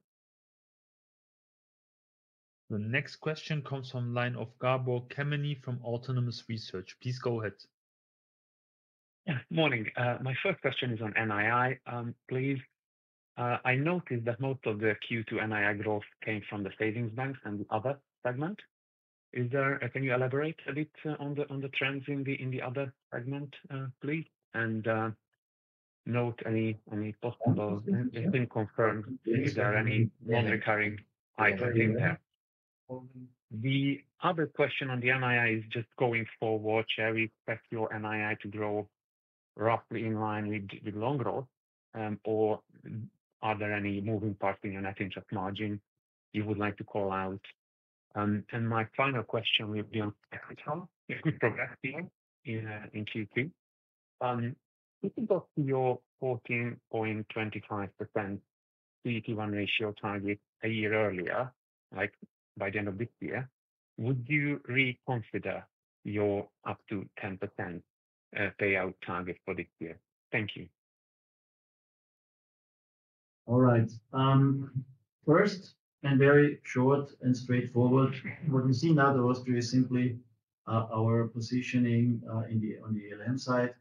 The next question comes from the line of Gabor Kemeny from Autonomous Research. Please go ahead. Morning. My first question is on NII please. I noticed that most of the Q2 NII growth came from the savings banks and other segment. Can you elaborate a bit on the trends in the other segment please? Please note any possible thing confirmed if there are any non-recurring items impact. The other question on the NII is just going forward, shall we expect your NII to grow roughly in line with loan growth or are there any moving parts in your net interest margin you would like to call out? My final question will be on [ECITOM]. If we progress here in Q2, if you go to your 14.25% CET1 ratio target a year earlier, like by the end of this year, would you reconsider your up to 10% payout. Target for this year? Thank you. All right. First, and very short and straightforward, what you see now, the roster is simply our positioning on the ALM side,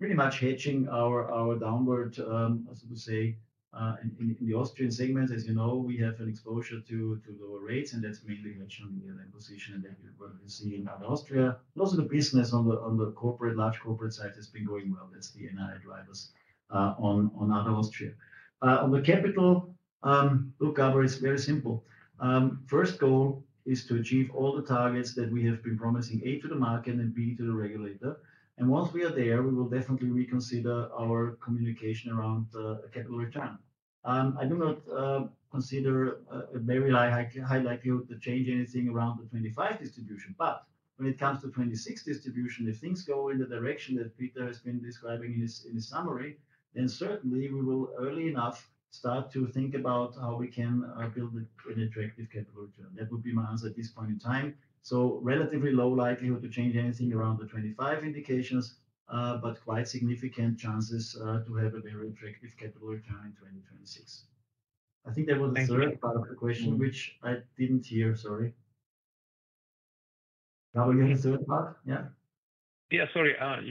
pretty much hedging our downward, as to say, in the Austrian segments. As you know, we have an exposure to lower rates, and that's mainly positioned in what we see in Austria. Most of the business on the large corporate side has been going well; that's the NI drivers on other Austria on the capital. Look, Gabor, it's very simple. First goal is to achieve all the targets that we have been promising, A, to the market, and B, to the regulator. Once we are there, we will definitely reconsider our communication around capital return. I do not consider a very high likelihood to change anything around the 2025 distribution, but when it comes to 2026 distribution, if things go in the direction that Peter has been describing in his summary, then certainly we will early enough start to think about how we can build an attractive capital return. That would be my answer at this point in time. Relatively low likelihood to change anything around the 2025 indications, but quite significant chances to have a very attractive capital return to 2026. I think that was the third part of the question, which I didn't hear. Sorry. If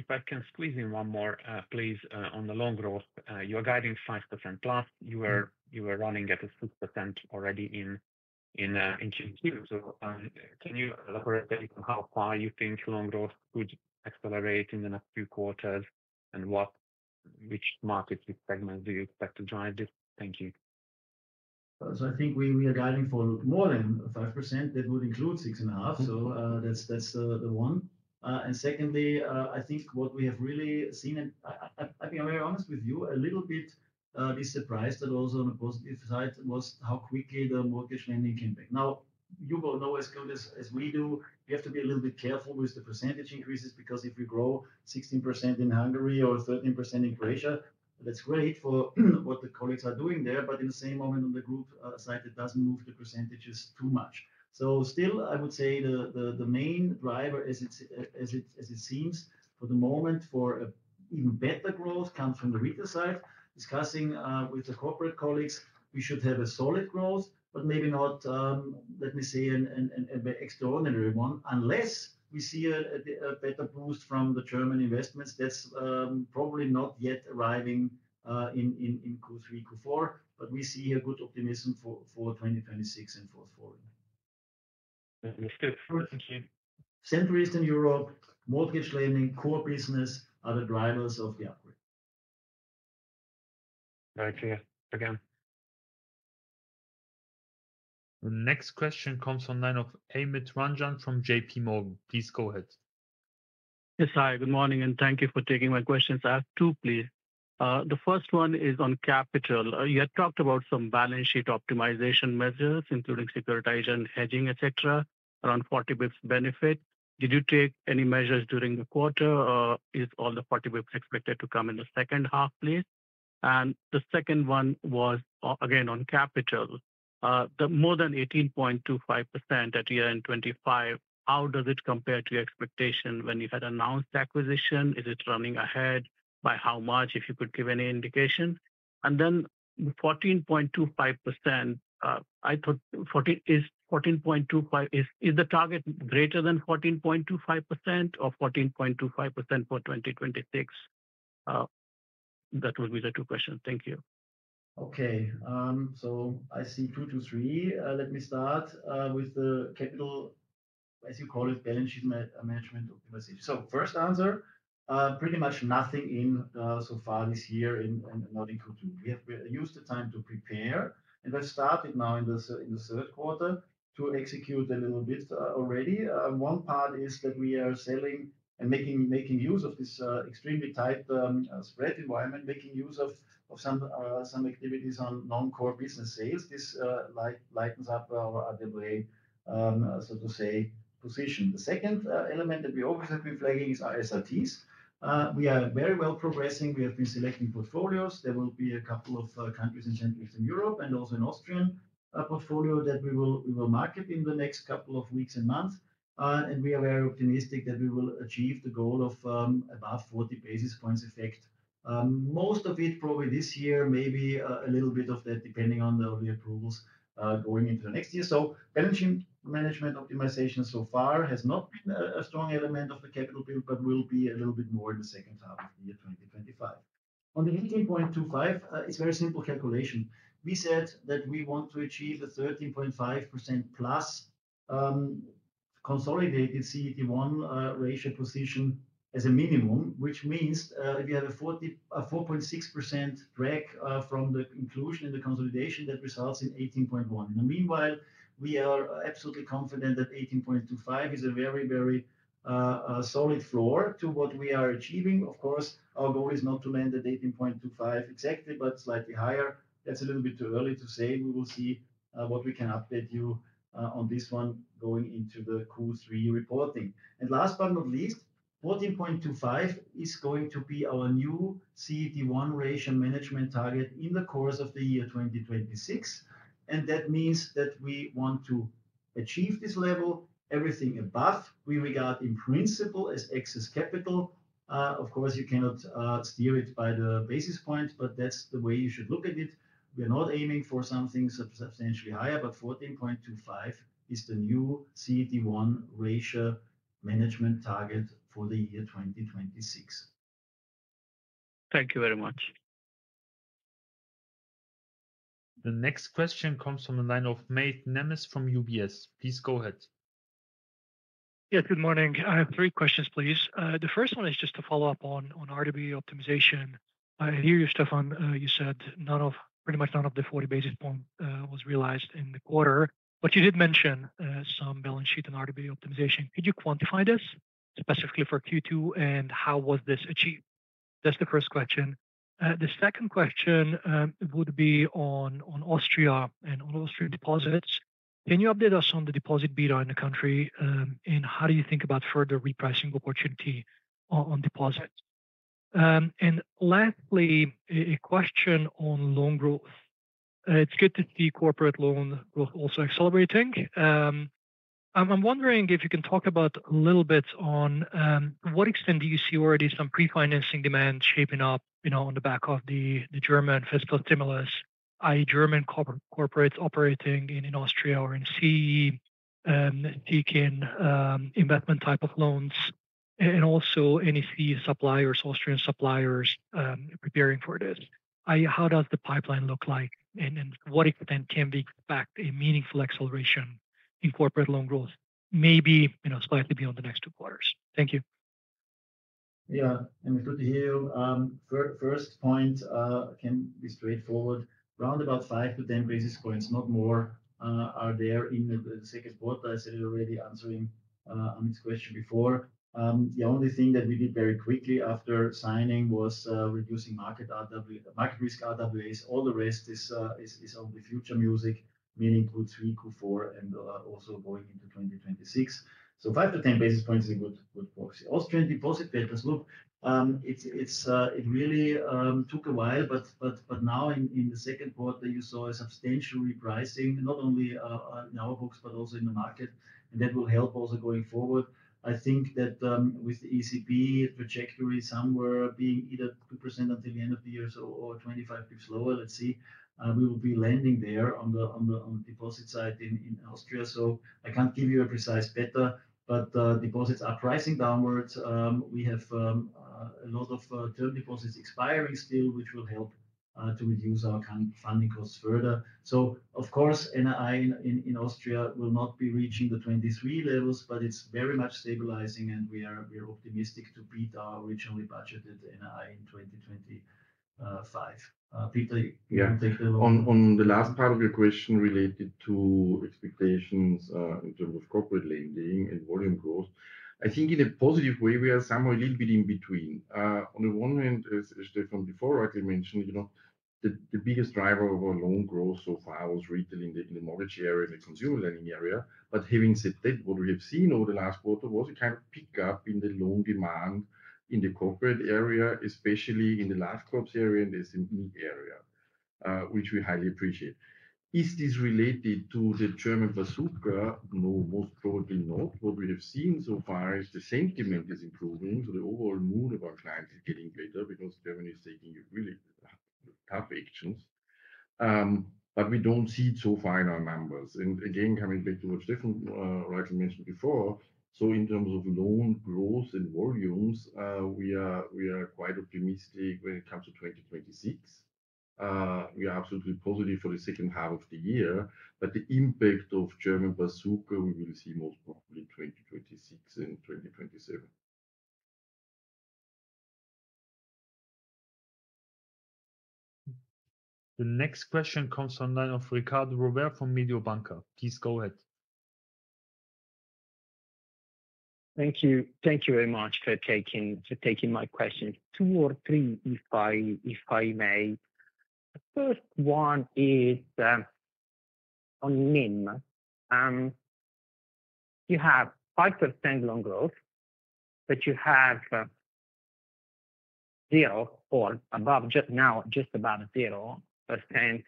I can squeeze in one more please. On the loan growth you are guiding 5%+, you were running at 6% already in Q2. Can you elaborate on how far you think loan growth could accelerate in the next few quarters and which markets, segments do you expect to drive this? Thank you. I think we are guiding for more than 5%. That would include 6.5%. That's the one. Secondly, I think what we have really seen, and I'm very honest with you, a little bit disappointed also on the positive side, was how quickly the mortgage lending came back. Now you will know as good as we do, you have to be a little bit careful with the % increases because if we grow 16% in Hungary or 13% in Croatia, that's great for what the colleagues are doing there. In the same moment on the group side, it doesn't move the % too much. Still, I would say the main driver, as it seems for the moment for even better growth, comes from the retail side. Discussing with the corporate colleagues, we should have a solid growth, but maybe not, let me say, extraordinary one unless we see a better boost from the German investments. That's probably not yet arriving in Q3, Q4, but we see a good optimism for 2026 and for. Good, thank you. Central and Eastern Europe mortgage lending core business are the drivers of the upgrade. Very clear again. The next question comes online of Amit Ranjan from JPMorgan. Please go ahead. Yes. Hi, good morning and thank you for taking my questions. I have two, please. The first one is on capital. You talked about some balance sheet optimization measures including securitization, hedging, etc., around 40 bps benefit. Did you take any measures during the quarter? Is all the 40 bps expected to come in the second half, please? The second one was again on capital, more than 18.25% at year end 2025. How does it compare to your expectation when you had announced the acquisition? Is it running ahead by how much? If you could give any indication. Then 14.25%—I thought it is 14.25%. Is the target greater than 14.25% or 14.25% for 2026? That would be the two questions. Thank you. Okay, so I see two to three. Let me start with the capital, as you call it, balance sheet management optimization. First answer, pretty much nothing in so far this year in not include. We have used the time to prepare and we've started now in the third quarter to execute a little bit already. One part is that we are selling and making use of this extremely tight spread environment, making use of some activities on non-core business sales. This lightens up our RWA, so to say, position. The second element that we always have been flagging is our SRTs. We are very well progressing. We have been selecting portfolios. There will be a couple of countries in Central and Eastern Europe and also an Austrian portfolio that we will market in the next couple of weeks and months, and we are very optimistic that we will achieve the goal of about 40 basis points effect, most of it probably this year, maybe a little bit of that depending on the approvals going into next year. Balance sheet management optimization so far has not been a strong element of the capital build, but will be a little bit more in the second half of the year 2025. On the 18.25%, it's very simple calculation. We said that we want to achieve a 13.5% plus consolidated CET1 ratio position as a minimum, which means we have a 4.6% drag from the inclusion in the consolidation that results in 18.1. Meanwhile, we are absolutely confident that 18.25% is a very, very solid floor to what we are achieving. Of course, our goal is not to land at 18.25% exactly, but slightly higher. It's a little bit too early to say. We will see what we can update you on this one going into the Q3 reporting. Last but not least, 14.25% is going to be our new CET1 ratio management target in the course of the year 2026. That means that we want to achieve this level. Everything above we regard in principle as excess capital. Of course, you cannot steer it by the basis point, but that's the way you should look at it. We are not aiming for something substantially higher, but 14.25% is the new CET1 ratio management target for the year 2026. Thank you very much. The next question comes from the line of Mate Nemes from UBS. Please go ahead. Yeah, good morning. I have three questions please. The first one is just to follow up on RWA optimization. I hear you, Stefan. You said pretty much none of the 40 basis points was realized in the quarter. You did mention some balance sheet and RWA optimization. Could you quantify this specifically for Q2? How was this achieved? That's the first question. The second question would be on Austria and Austria deposits. Can you update us on the deposit beta in the country? How do you think about further repricing opportunity on deposits? Lastly, a question on loan growth. It's good to see corporate loan growth also accelerating. I'm wondering if you can talk a little bit on what extent do you see already some pre-financing demand shaping up on the back of the German fiscal stimulus, that is, German corporates operating in Austria or in CEE and seeking investment type of loans, and also NEC suppliers, Austrian suppliers preparing for this. How does the pipeline look like and to what extent can we expect a meaningful acceleration in corporate loan growth, maybe slightly beyond the next two quarters? Thank you. Yeah, good to hear you. First point can be straightforward, round about 5 basis points-10 basis points, not more are there in the second quarter. I said already answering Amit's question before the only thing that we did very quickly after signing was reducing market risk RWAs. All the rest is on the future music meaning cool 3Q4 and also going into 2026 so 5 basis points-10 basis points is a good, good proxy. Austrian deposit patterns, look, it really took a while but now in the second quarter you saw a substantial repricing not only in our books but also in the market and that will help also going forward. I think that with the ECB trajectory somewhere being either 2% until the end of the year or 25 basis points lower. Let's see, we will be landing there on the deposit side in Austria so I can't give you a precise beta but deposits are pricing downwards. We have a lot of term deposits expiring still which will help to reduce our funding costs further. Of course, net interest income in Austria will not be reaching the 2023 levels but it's very much stabilizing and we are optimistic to beat our originally budgeted net interest in 2025. Peter, on the last part of your question related to expectations in terms of corporate lending and volume growth, I think in a positive way we are somewhere a little bit in between. On the one hand, as Stefan before rightly mentioned, you know the biggest driver of our loan growth so far was retailing in the mortgage area, the consumer lending area. Having said that, what we have seen over the last quarter was a kind of pickup in the loan demand in the corporate area, especially in the last corporate area in the SME area which we highly appreciate. Is this related to the German bazooka? No, most probably not. What we have seen so far is the sentiment is improving. The overall mood of our clients is getting better because Germany is taking really tough actions, but we don't see so far in our numbers. Again, coming back to what Stefan rightly mentioned before, in terms of loan growth and volumes we are quite optimistic when it comes to 2026. We are absolutely positive for the second half of the year. The impact of German bazooka we will see most probably in 2026 and 2027. The next question comes online of Riccardo Rovere from Mediobanca. Please go ahead. Thank you. Thank you very much for taking my questions. Two or three if I may. The first one is on NIM. You have 5% loan growth but you have zero or just above 0%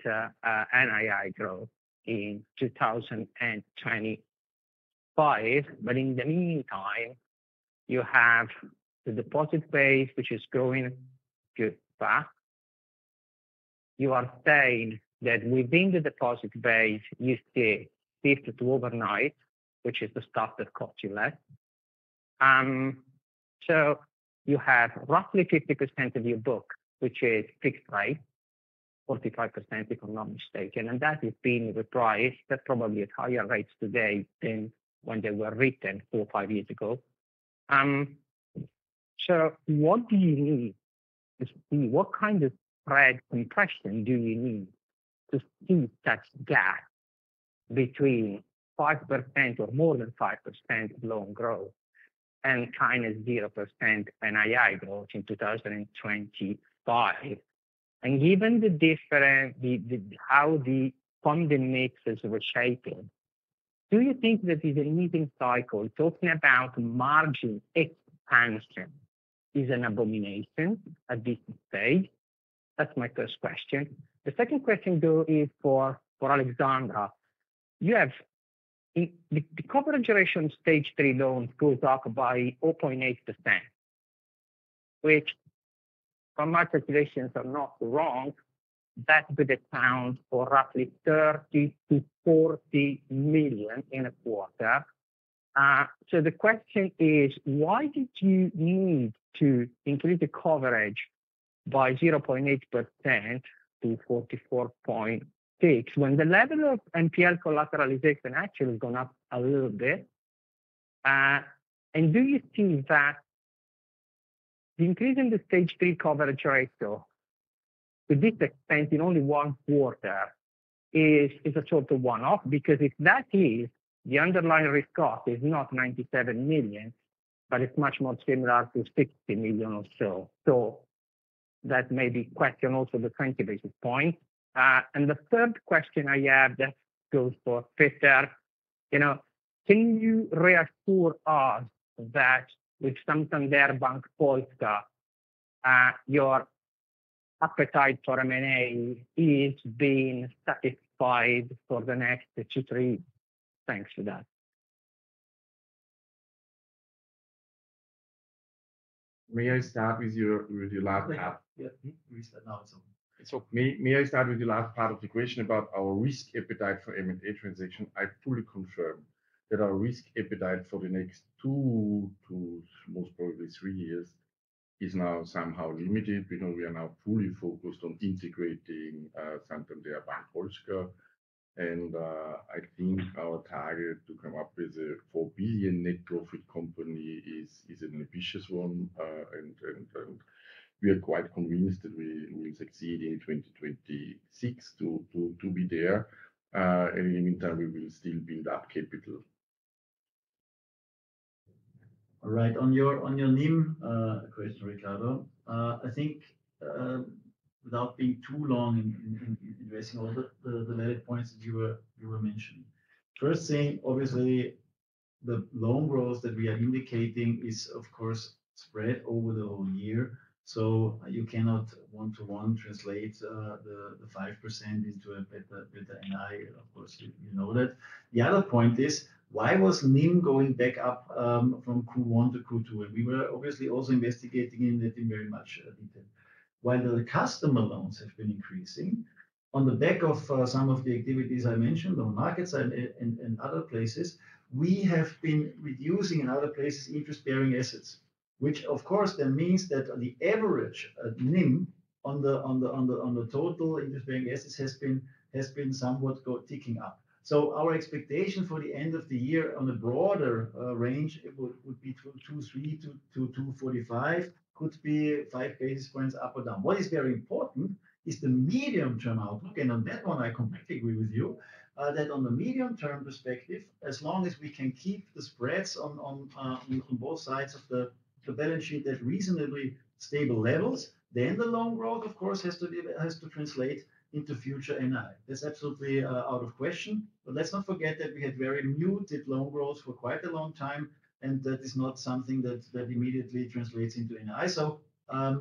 NII growth in 2025. In the meantime, you have the deposit base which is growing good back. You are saying that within the deposit base you see 52% overnight, which is the stuff that costs you less. You have roughly 50% of your book which is fixed rate, 45% if I'm not mistaken. That is being repriced probably at higher rates today than when they were written four or five years ago. What do you need to see? What kind of spread compression do you need to see such gap between 5% or more than 5% loan growth and 0% NII growth in 2025? Given the difference in how the funding mixes were shaping, do you think that is a remitting cycle? Talking about margin expansion is an abomination at this stage. That's my first question. The second question is for Alexandra. The corporate duration Stage 3 loans goes up by 0.8%, which from market relations, if I am not wrong, could account for roughly $30 million-$40 million in a quarter. The question is why did you need to increase the coverage by 0.8%-44.6% when the level of NPL collateralization actually has gone up a little bit? Do you see that the increase in the Stage 3 coverage rate, though the disease spent in only one quarter, is a total one-off? Because if that is the underlying risk cost, it is not $97 million but it's much more similar to $60 million or so. That may be a question also on the 20 basis points. The third question I have goes for Peter. Can you reassure us that with Santander Bank Polska your appetite for M&A is being satisfied for the next two to three years? Thanks for that. May I start with the last part of the question about our risk appetite for M&A transaction? I fully confirm that our risk appetite for the next two to most probably three years is now somehow limited because we are now fully focused on integrating Santander Bank Polska, and I think our target to come up with a $4 billion net profit company is an ambitious one. We are quite convinced that we will succeed in 2026 to be there. In the meantime, we will still build up capital. All right, on your NIM question, Riccardo, I think without being too long in addressing all the points that you were mentioning, first thing, obviously the loan growth that we are indicating is of course spread over the whole year. You cannot one to one translate the 5% into a better. Of course you know that. The other point is why was NIM going back up from Q1 to Q2? We were obviously also investigating it in very much detail. While the customer loans have been increasing on the back of some of the activities I mentioned on markets and other places, we have been reducing in other places interest-bearing assets, which of course then means that the average NIM on the total interest-bearing assets has been somewhat ticking up. Our expectation for the end of the year on a broader range would be 2.3-2.45, could be 5 basis points up or down. What is very important is the medium-term outlook. On that one, I completely agree with you that on the medium-term perspective, as long as we can keep the spreads on both sides of the balance sheet at reasonably stable levels, then the loan growth of course has to translate into future NII. That's absolutely out of question. Let's not forget that we had very muted loan growth for quite a long time and that is not something that immediately translates into NII.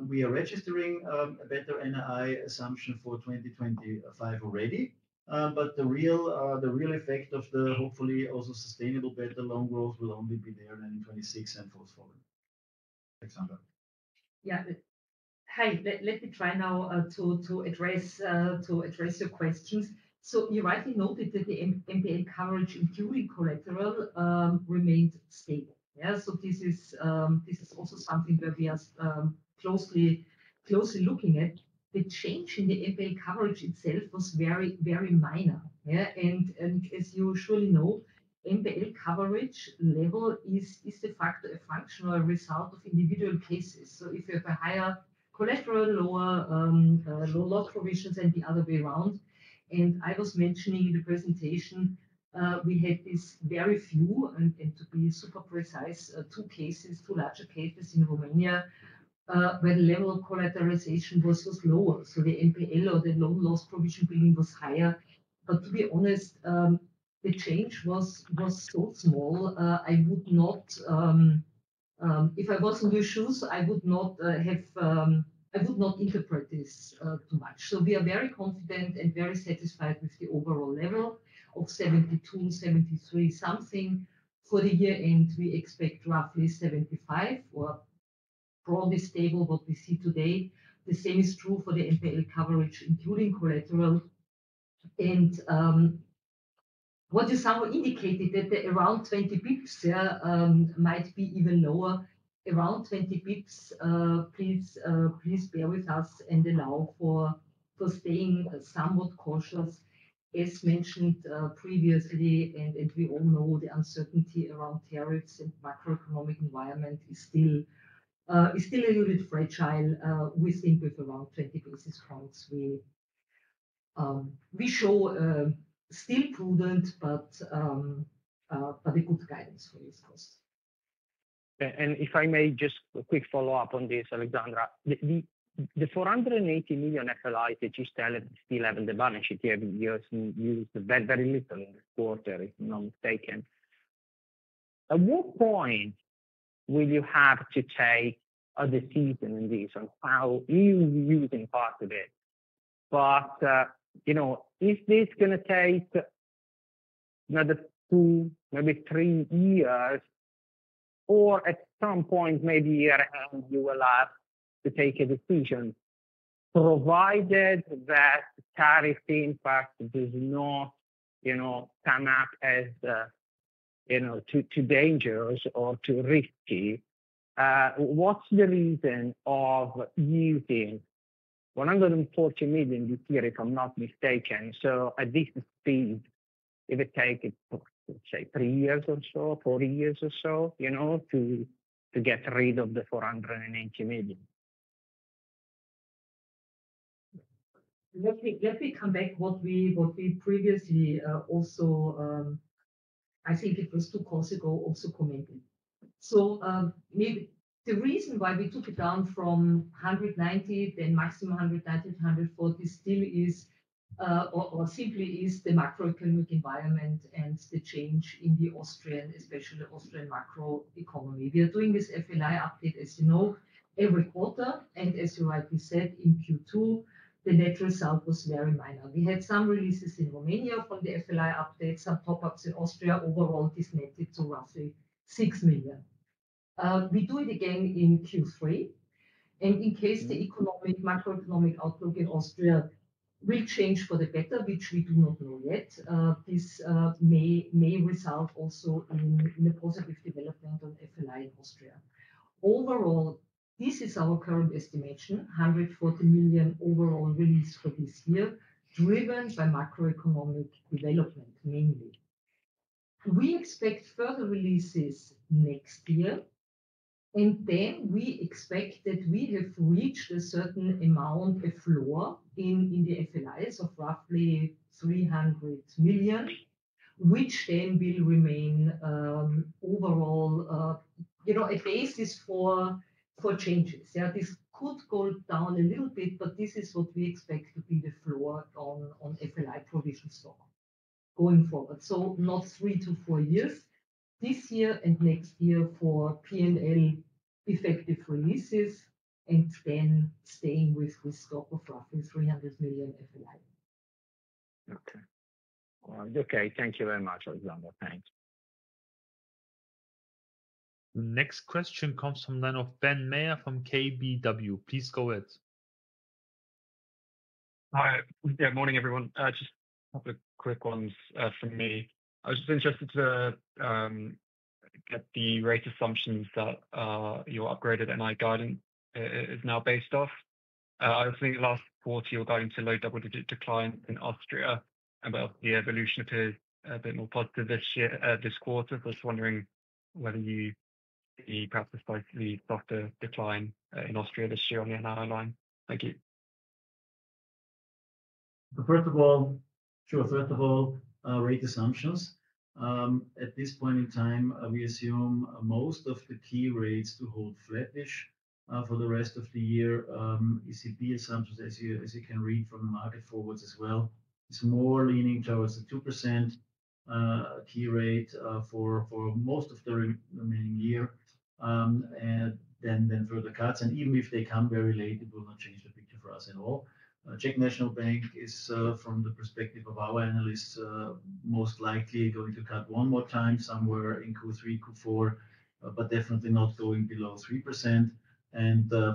We are registering a better NII assumption for 2025 already, but the real effect of the hopefully also sustainable better loan growth will only be there then in 2026 and forward. Yeah. Hi, let me try now to address your questions. You rightly noted that the NPL coverage including collateral remained stable. This is also something that we are closely looking at. The change in the NPL coverage itself was very, very minor. As you surely know, NPL coverage level is a functional result of individual cases. If you have higher collateral, low loss provisions, and the other way around. I was mentioning in the presentation, we had these very few, and to be super precise, two cases, two larger cases in Romania where the level of collateralization was lower, so the NPL or the loan loss provision building was higher. To be honest, the change was so small I would not, if I was in your shoes, I would not interpret this too much. We are very confident and very satisfied with the overall level of 72%-73% something for the year end. We expect roughly 75% or broadly stable with what we see today. The same is true for the NPL coverage including collateral, and what you somehow indicated that around 20 bps might be even lower. Around 20 bps. Please bear with us and allow for staying somewhat cautious as mentioned previously, and we all know the uncertainty around tariffs and macroeconomic environment is still a little bit fragile. We think with around 20 basis points. We. We show still prudent, but a good guidance for this cost. If I may, just a quick follow-up on this, Alexandra. The 480 million slides that you still have haven't been used very little in the quarter, if I'm not mistaken. At what point will you have to take a decision on this and how are you using part of it? You know, is this going to take another two, maybe three years, or at some point, maybe a year ahead, you will have to take a decision provided that tariff impact does not, you know, come up as, you know, too dangerous or too risky. What's the reason for using 140 million a year, if I'm not mistaken? At this speed, if it takes, say, three years or so, four years or so, you know, to get rid of the 480 million. Let me come back to what we previously also, I think it was two calls ago, also commented. The reason why we took it down from 190 million, then maximum 190 million-140 million, still is or simply is the macroeconomic environment and the change in the Austrian, especially Austrian, macro economy. We are doing this FLI update, as you know, every quarter and as you rightly said, in Q2 the net result was very minor. We had some releases in Romania from the FLI updates, some pop-ups in Austria, overall disseminated to roughly 6 million. We do it again in Q3 and in case the macroeconomic outlook in Austria will change for the better, which we do not know yet, this may result also in a positive development on FLI in Austria. Overall, this is our current estimation, 140 million overall release for this year driven by macroeconomic development mainly. We expect further releases next year and then we expect that we have reached a certain amount of floor in the FLIs of roughly 300 million, which then will remain overall a basis for changes. This could go down a little bit, but this is what we expect to be the floor on FLI provision stock going forward. Not three to four years, this year and next year for P&L effective releases and then staying with stock of roughly 300 million FLI. Okay. Okay, thank you very much Alexandra. Thank you. Next question comes from Ben Meyer from KBW. Please go ahead. Hi. Yeah, morning everyone. Just a couple of quick ones for me. I was just interested to get the rate assumptions that your upgraded net interest income guidance is now based off. I think last quarter you're guiding to low double digit decline in Austria and about the evolution of the a bit more positive this year, this quarter. I was wondering whether you see perhaps a slightly softer decline in Austria this year on the analytics. Thank you. First of all. Sure. First of all, rate assumptions at this point in time, we assume most of the key rates to hold flattish for the rest of the year. ECB assumptions, as you can read from the market forwards as well, is more leaning towards the 2% key rate for most of the remaining year and then further cuts, and even if they come very late, it will not change the picture for us at all. Czech National Bank is, from the perspective of our analysts, most likely going to cut one more time somewhere in Q3, Q4, but definitely not going below 3%.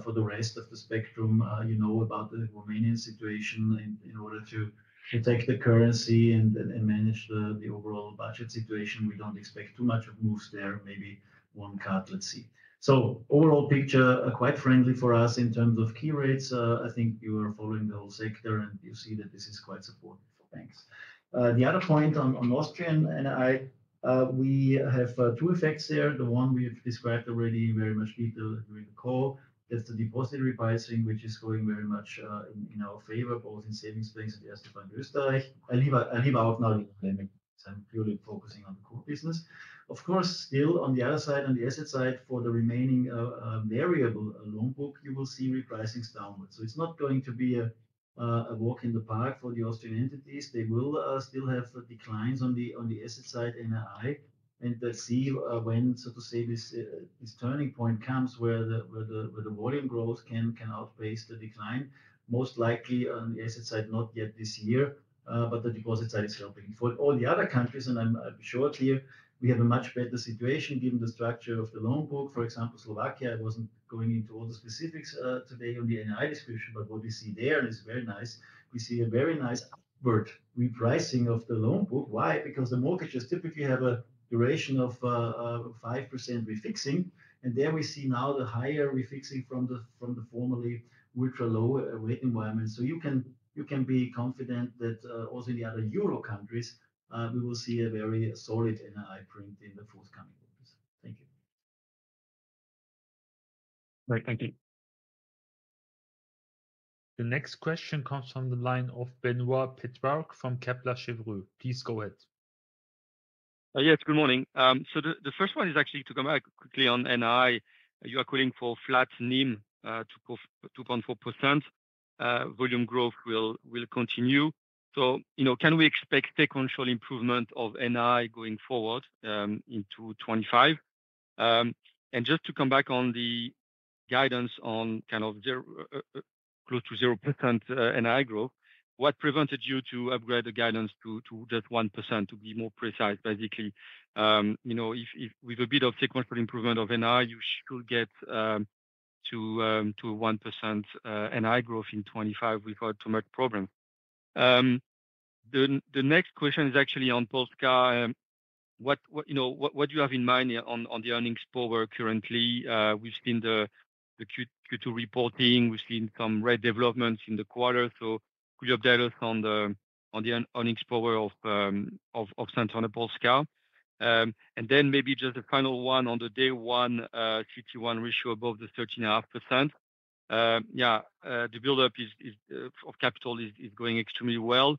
For the rest of the spectrum, you know about the Romanian situation and, in order to protect the currency and manage the overall budget situation, we don't expect too much of moves there. Maybe one cut. Let's see. Overall picture is quite friendly for us in terms of key rates. I think you are following the whole sector and you see that this is quite supportive for banks. The other point on Austrian, and we have two effects there. The one we've described already in very much detail during the call. That's the deposit rebalancing, which is going very much in our favor both in savings banks and Erste Bank. I leave out now, I'm purely focusing on the core business. Of course, still on the other side, on the asset side for the remaining variable loan book, you will see repricings downwards. It's not going to be a walk in the park for the Austrian entities. They will still have declines on the asset side NI and see when, so to say, this turning point comes where the volume growth can outpace the decline, most likely on the asset side not yet this year, but the deposit side is helping for all the other countries. I'm sure here we have a much better situation given the structure of the loan book. For example, Slovakia. I wasn't going into all the specifics today on the NI description, but what we see there is very nice. We see a very nice upward repricing of the loan book. Why? Because the mortgages typically have a duration of 5% refixing. There we see now the higher refixing from the formerly ultra low rate environment. You can be confident that also in the other Euro countries, we will see a very solid NI print in the forthcoming quarters. Thank you. Great, thank you. The next question comes from the line of Benoît Pétrarque from Kepler Cheuvreux. Please go ahead. Yes, good morning. The first one is actually to. Come back quickly on net interest income. You are calling for flat NIM, 2.4% volume growth will continue. Can we expect sequential improvement of net interest income going forward into 2025? To come back on the guidance on kind of close to 0%. NI growth, what prevented you to upgrade? The guidance to just 1%, to be more precise? Basically, with a bit of sequential improvement of net interest income, you should get to 1%. NI growth in 2025 without too much problem. The next question is actually on Polska. What do you have in mind on the earnings power? Currently we've seen the Q2 reporting, we've seen some red developments in the quarter. Could you update us on the earnings power of Santander Polska. Maybe just a final one on the day one CET1 ratio above the 13.5%. The buildup of capital is going extremely well.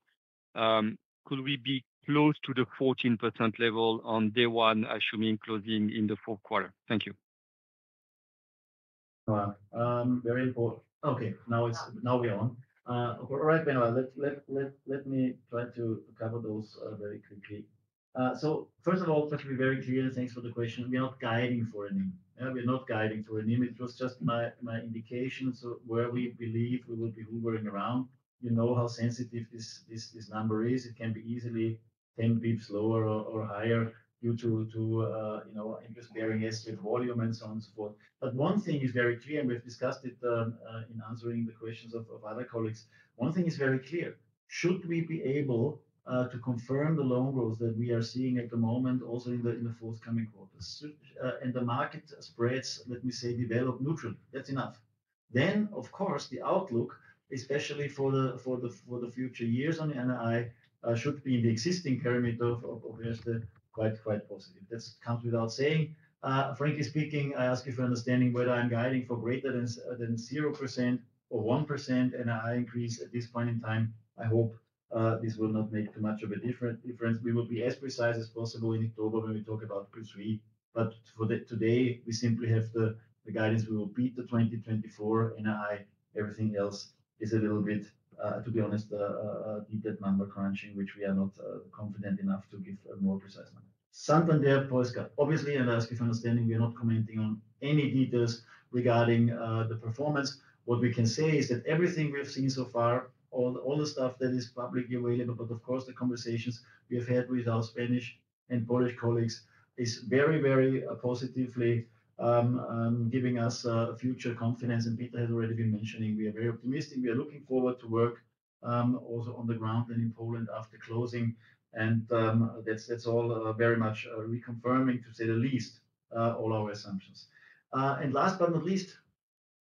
Could we be close to the 14% level on day one, assuming closing in the fourth quarter? Thank you. Very important. Okay, now we're on. All right, let me try to cover those very quickly. First of all, to be very clear, thanks for the question. We are guiding for a name. We're not guiding for a name. It was just my indication. Where we believe we will be hoovering around, you know how sensitive this number is, it can be easily 10 pips lower or higher due to interest bearing, estimate volume and so on, so forth. One thing is very clear, and we've discussed it in answering the questions of other colleagues, one thing is very clear. Should we be able to confirm the loan growth that we are seeing at the moment also in the forthcoming quarters and the market spreads, let me say, develop neutral. That's enough. Of course, the outlook, especially for the future years on the NI should be in the existing parameter, obviously quite, quite positive. That comes without saying, frankly speaking, I ask you for understanding whether I'm guiding for greater than 0% or 1% NI increase at this point in time. I hope this will not make too much of a difference. We will be as precise as possible in October when we talk about Q3, but for that today we simply have the guidance we will beat the 2024 NI. Everything else is a little bit, to be honest, that number crunching which we are not confident enough to give more precise. Santander Polska, obviously, and ask your understanding. We are not commenting on any details regarding the performance. What we can say is that everything we have seen so far, all the stuff that is publicly available, but of course the conversations we have had with our Spanish and Polish colleagues is very, very positively giving us future confidence. Peter has already been mentioning we are very optimistic. We are looking forward to work also on the ground and in Poland after closing. That's all very much reconfirming, to say the least, all our assumptions. Last but not least,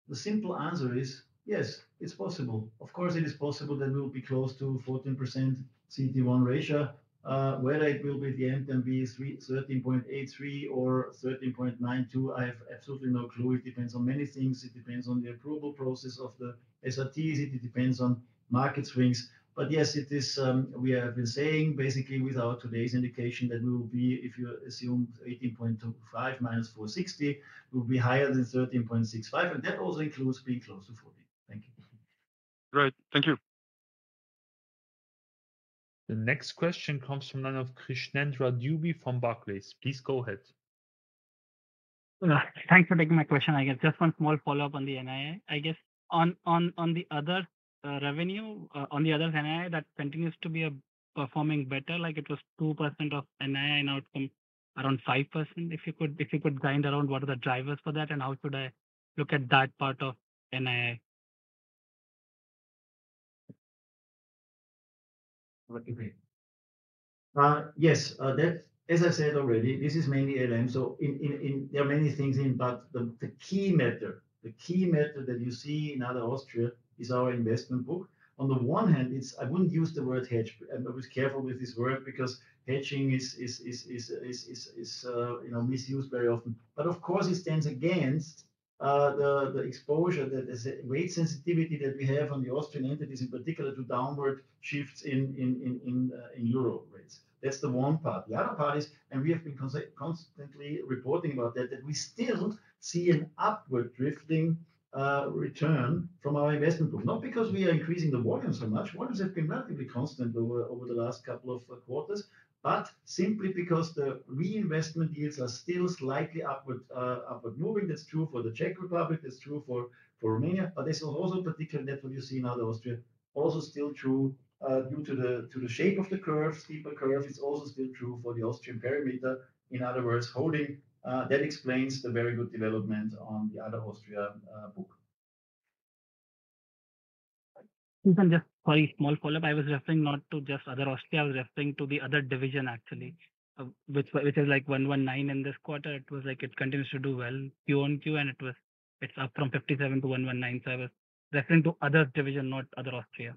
the simple answer is yes, it's possible. Of course it is possible that we will be close to 14% CET1 ratio. Whether it will be the end and be 13.83% or 13.92%, I have absolutely no clue. It depends on many things. It depends on the approval process of the SRTs, it depends on market swings. Yes, it is. We have been saying basically with our today's indication that we will be, if you assume 18.25% - 460, will be higher than 13.65 and that also includes being close to 14. Thank you. Right, thank you. The next question comes from Krishnendra Dubey from Barclays. Please go ahead. Thanks for taking my question. I guess just one small follow up on the NII. On the other revenue, on the other hand, that continues to be performing better. Like it was 2% of NII outcome, around 5%. If you could, if you could grind around, what are the drivers for that and how should I look at that part of NII? Yes, as I said already, this is mainly a. In. In. In. There are many things in. The key matter, the key method that you see in other Austria is our investment book. On the one hand, I wouldn't use the word hedge. I was careful with this word because hedging is misused very often. Of course, it stands against the exposure that is rate sensitivity that we have on the Austrian entities in particular to downward shifts in Euro rates. That's the one part. The other part is, and we have been constantly reporting about that, that we still see an upward drifting return from our investment group. Not because we are increasing the volume so much. Volumes have been relatively constant over the last couple of quarters, but simply because the reinvestment yields are still slightly upward moving. That's true for the Czech Republic, that's true for Romania. There's also a particular network you see in other Austria. Also still true due to the shape of the curve, steeper curve. It's also still true for the Austrian perimeter. In other words, holding. That explains the very good development on the other Austria book. Sorry, small follow up. I was referring not to just other Austria. I was referring to the other division actually, which is like 119 in this quarter. It was like it continues to do well Q on Q and it was. It's up from 57 to 119. I was referring to other division, not other Austria.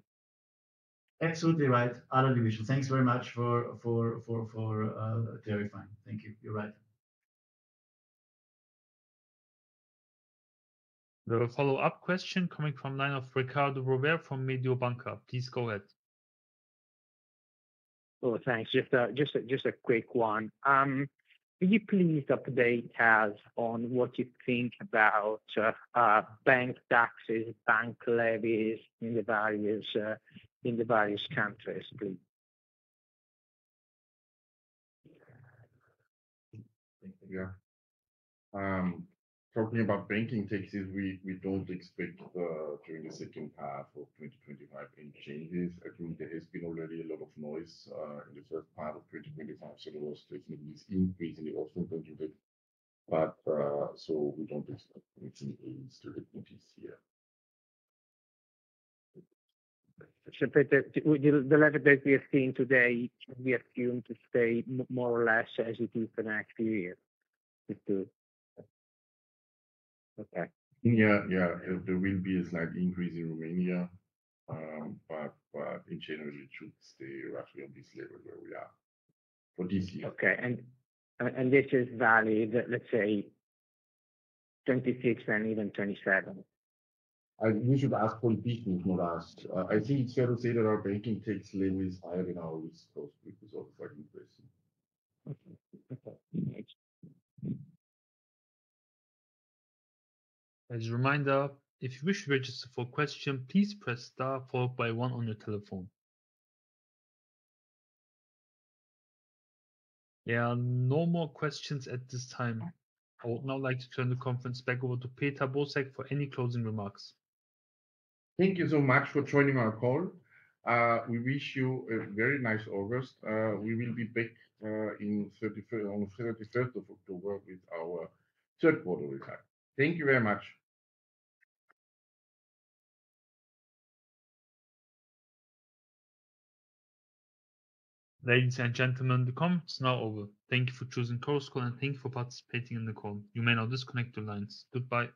Absolutely right. Other division. Thanks very much for clarifying. Thank you. You're right. The follow up question coming from line of Riccardo Rovere from Mediobanca. Please go ahead. Thanks. Just a quick one. Can you please update us on what you think about bank taxes, bank levies in the various countries, please. Talking about banking taxes. We. We don't expect during the second half of 2025 any changes. I think there has been already a lot of noise in the first part of 2025. The loss technically is increasingly often contributed. We don't expect. The level that we are seeing today, we assume to stay more or less as it is next year. Okay. There will be a slight increase in Romania, but in general it should stay roughly on this level where we are for this year. Okay. This is valid, let's say 2026 and even 2027. We should ask for business, not us. I think it's fair to say that our banking takes leverage higher than our cost because of. As a reminder, if you wish to register for a question, please press star followed by one on your telephone. There are no more questions at this time. I would now like to turn the conference back over to Peter Bosek for any closing remarks. Thank you so much for joining our call. We wish you a very nice August. We will be back on the 31st of October with our third quarter result. Thank you very much. Ladies and gentlemen, the conference is now over. Thank you for choosing Chorus Call and thank you for participating in the call. You may now disconnect your lines. Goodbye.